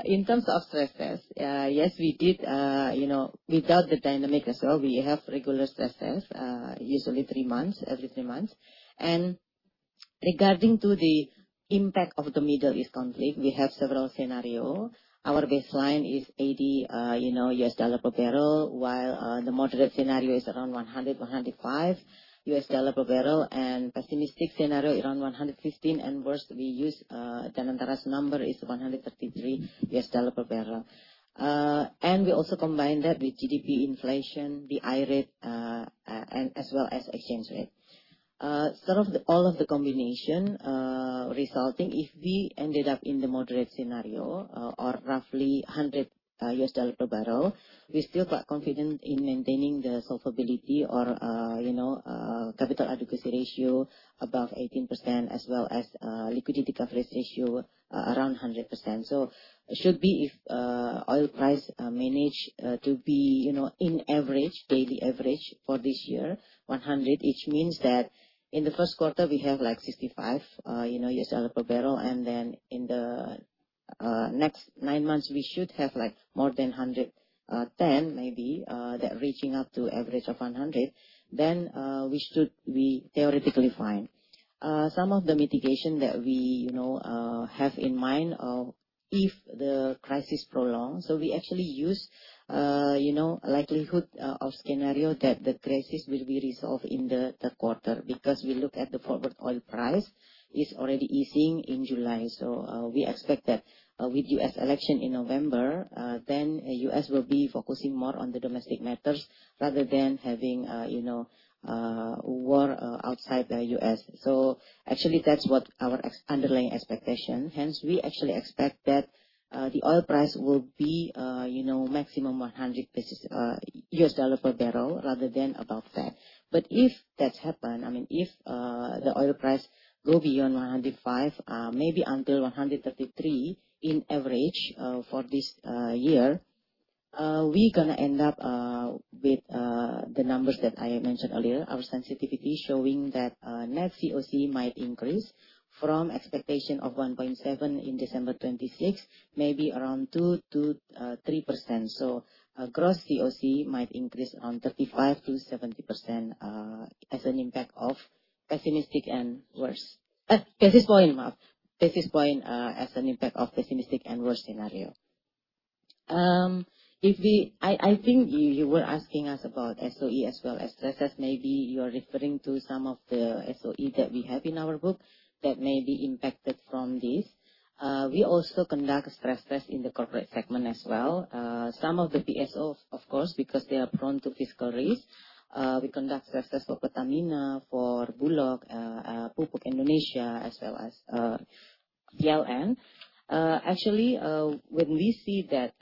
D: In terms of stress test, yes, we did, you know, without the dynamic as well, we have regular stress test, usually three months, every three months. Regarding to the impact of the Middle East conflict, we have several scenario. Our baseline is $80, you know, U.S. dollar per barrel, while the moderate scenario is around $100, $105 per barrel, and pessimistic scenario around $115. Worse, we use Danantaras number is $133 per barrel. We also combine that with GDP inflation, the BI rate, and as well as exchange rate. Some of the, all of the combination, resulting if we ended up in the moderate scenario, or roughly $100 per barrel, we're still quite confident in maintaining the solvability or, capital adequacy ratio above 18% as well as, liquidity coverage ratio, around 100%. Should be if oil price manage to be, in average, daily average for this year, $100, which means that in the Q1 we have like $65 per barrel, and then in the next nine months, we should have, like, more than $110, maybe, that reaching up to average of $100, we should be theoretically fine. Some of the mitigation that we, you know, have in mind, if the crisis prolong, so we actually use, you know, likelihood of scenario that the crisis will be resolved in the Q3 because we look at the forward oil price is already easing in July. We expect that with U.S. election in November, then U.S. will be focusing more on the domestic matters rather than having, you know, war outside the U.S. Actually, that's what our underlying expectation. Hence, we actually expect that the oil price will be, you know, maximum $100 basis U.S. dollar per barrel rather than above that. If that happens, I mean, if the oil price goes beyond $105, maybe until $133 in average, for this year, we are going to end up with the numbers that I mentioned earlier, our sensitivity showing that net CoC might increase from expectation of 1.7% in December 26, maybe around 2%-3%. Gross CoC might increase around 35%-70% as an impact of pessimistic and worse scenario. I think you were asking us about SOE as well as stress test. Maybe you're referring to some of the SOE that we have in our book that may be impacted from this. We also conduct stress test in the corporate segment as well. Some of the SOEs, of course, because they are prone to fiscal risk, we conduct stress test for Pertamina, for Bulog, Pupuk Indonesia, as well as, PLN. Actually, when we see that,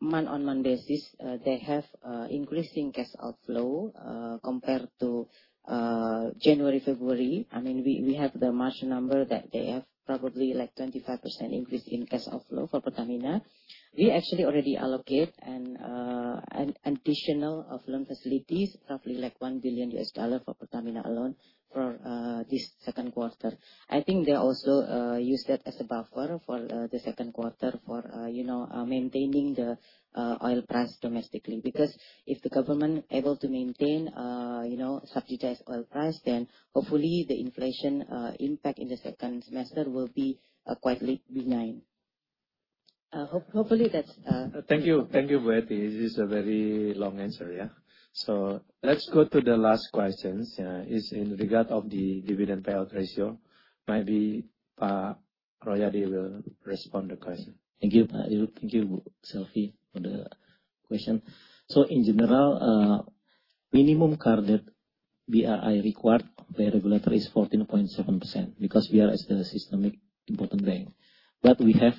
D: month-on-month basis, they have increasing cash outflow, compared to January, February. I mean, we have the March number that they have probably like 25% increase in cash outflow for Pertamina. We actually already allocate an additional of loan facilities, roughly like $1 billion for Pertamina alone for this Q2. I think they also use that as a buffer for the Q2 for you know, maintaining the oil price domestically. If the government able to maintain, you know, subsidized oil price, then hopefully the inflation impact in the second semester will be quietly benign.
B: Thank you. Thank you, Bu Ety. This is a very long answer, yeah. Let's go to the last questions, is in regard of the dividend payout ratio. Maybe Pak Royadi will respond the question.
F: Thank you, Pak. Thank you, Selfie, for the question. In general, minimum capital BRI required by regulator is 14.7% because we are a systemically important bank. We have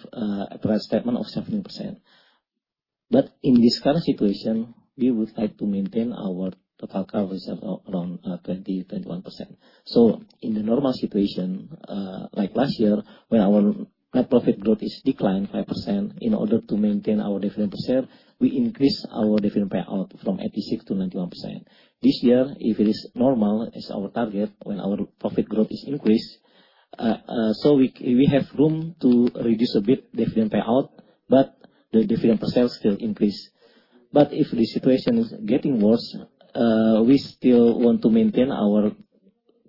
F: a press statement of 17%. In this current situation, we would like to maintain our total capital reserve around 20%-21%. In the normal situation, like last year, when our net profit growth is declined 5%, in order to maintain our dividend per share, we increase our dividend payout from 86%-91%. This year, if it is normal as our target, when our profit growth is increased, we have room to reduce a bit dividend payout, the dividend per share still increase. If the situation is getting worse, we still want to maintain our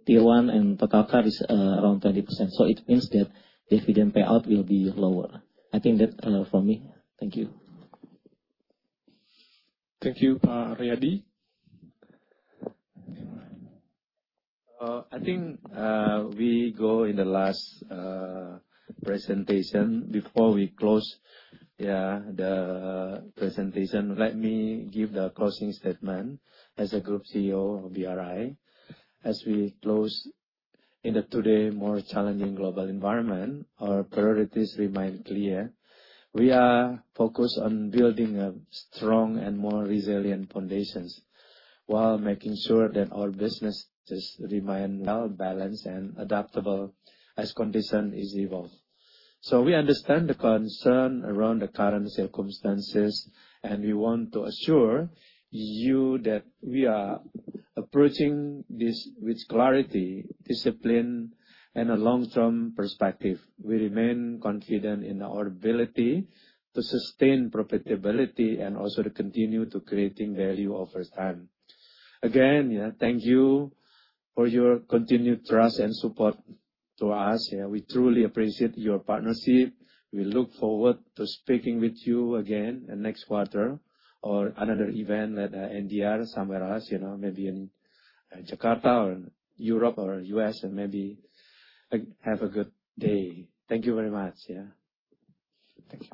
F: Tier 1 and total CAR is around 20%. It means that dividend payout will be lower. I think that's all for me. Thank you.
A: Thank you, Achmad Royadi.
B: I think we go in the last presentation before we close, yeah, the presentation. Let me give the closing statement as a Group CEO of BRI. As we close in the today more challenging global environment, our priorities remain clear. We are focused on building a strong and more resilient foundations, while making sure that our businesses remain well-balanced and adaptable as condition is evolved. We understand the concern around the current circumstances, and we want to assure you that we are approaching this with clarity, discipline, and a long-term perspective. We remain confident in our ability to sustain profitability and also to continue to creating value over time. Again, yeah, thank you for your continued trust and support to us. We truly appreciate your partnership. We look forward to speaking with you again next quarter or another event at NDR, somewhere else, you know, maybe in Jakarta or Europe or U.S. and maybe. Have a good day. Thank you very much, yeah. Thank you.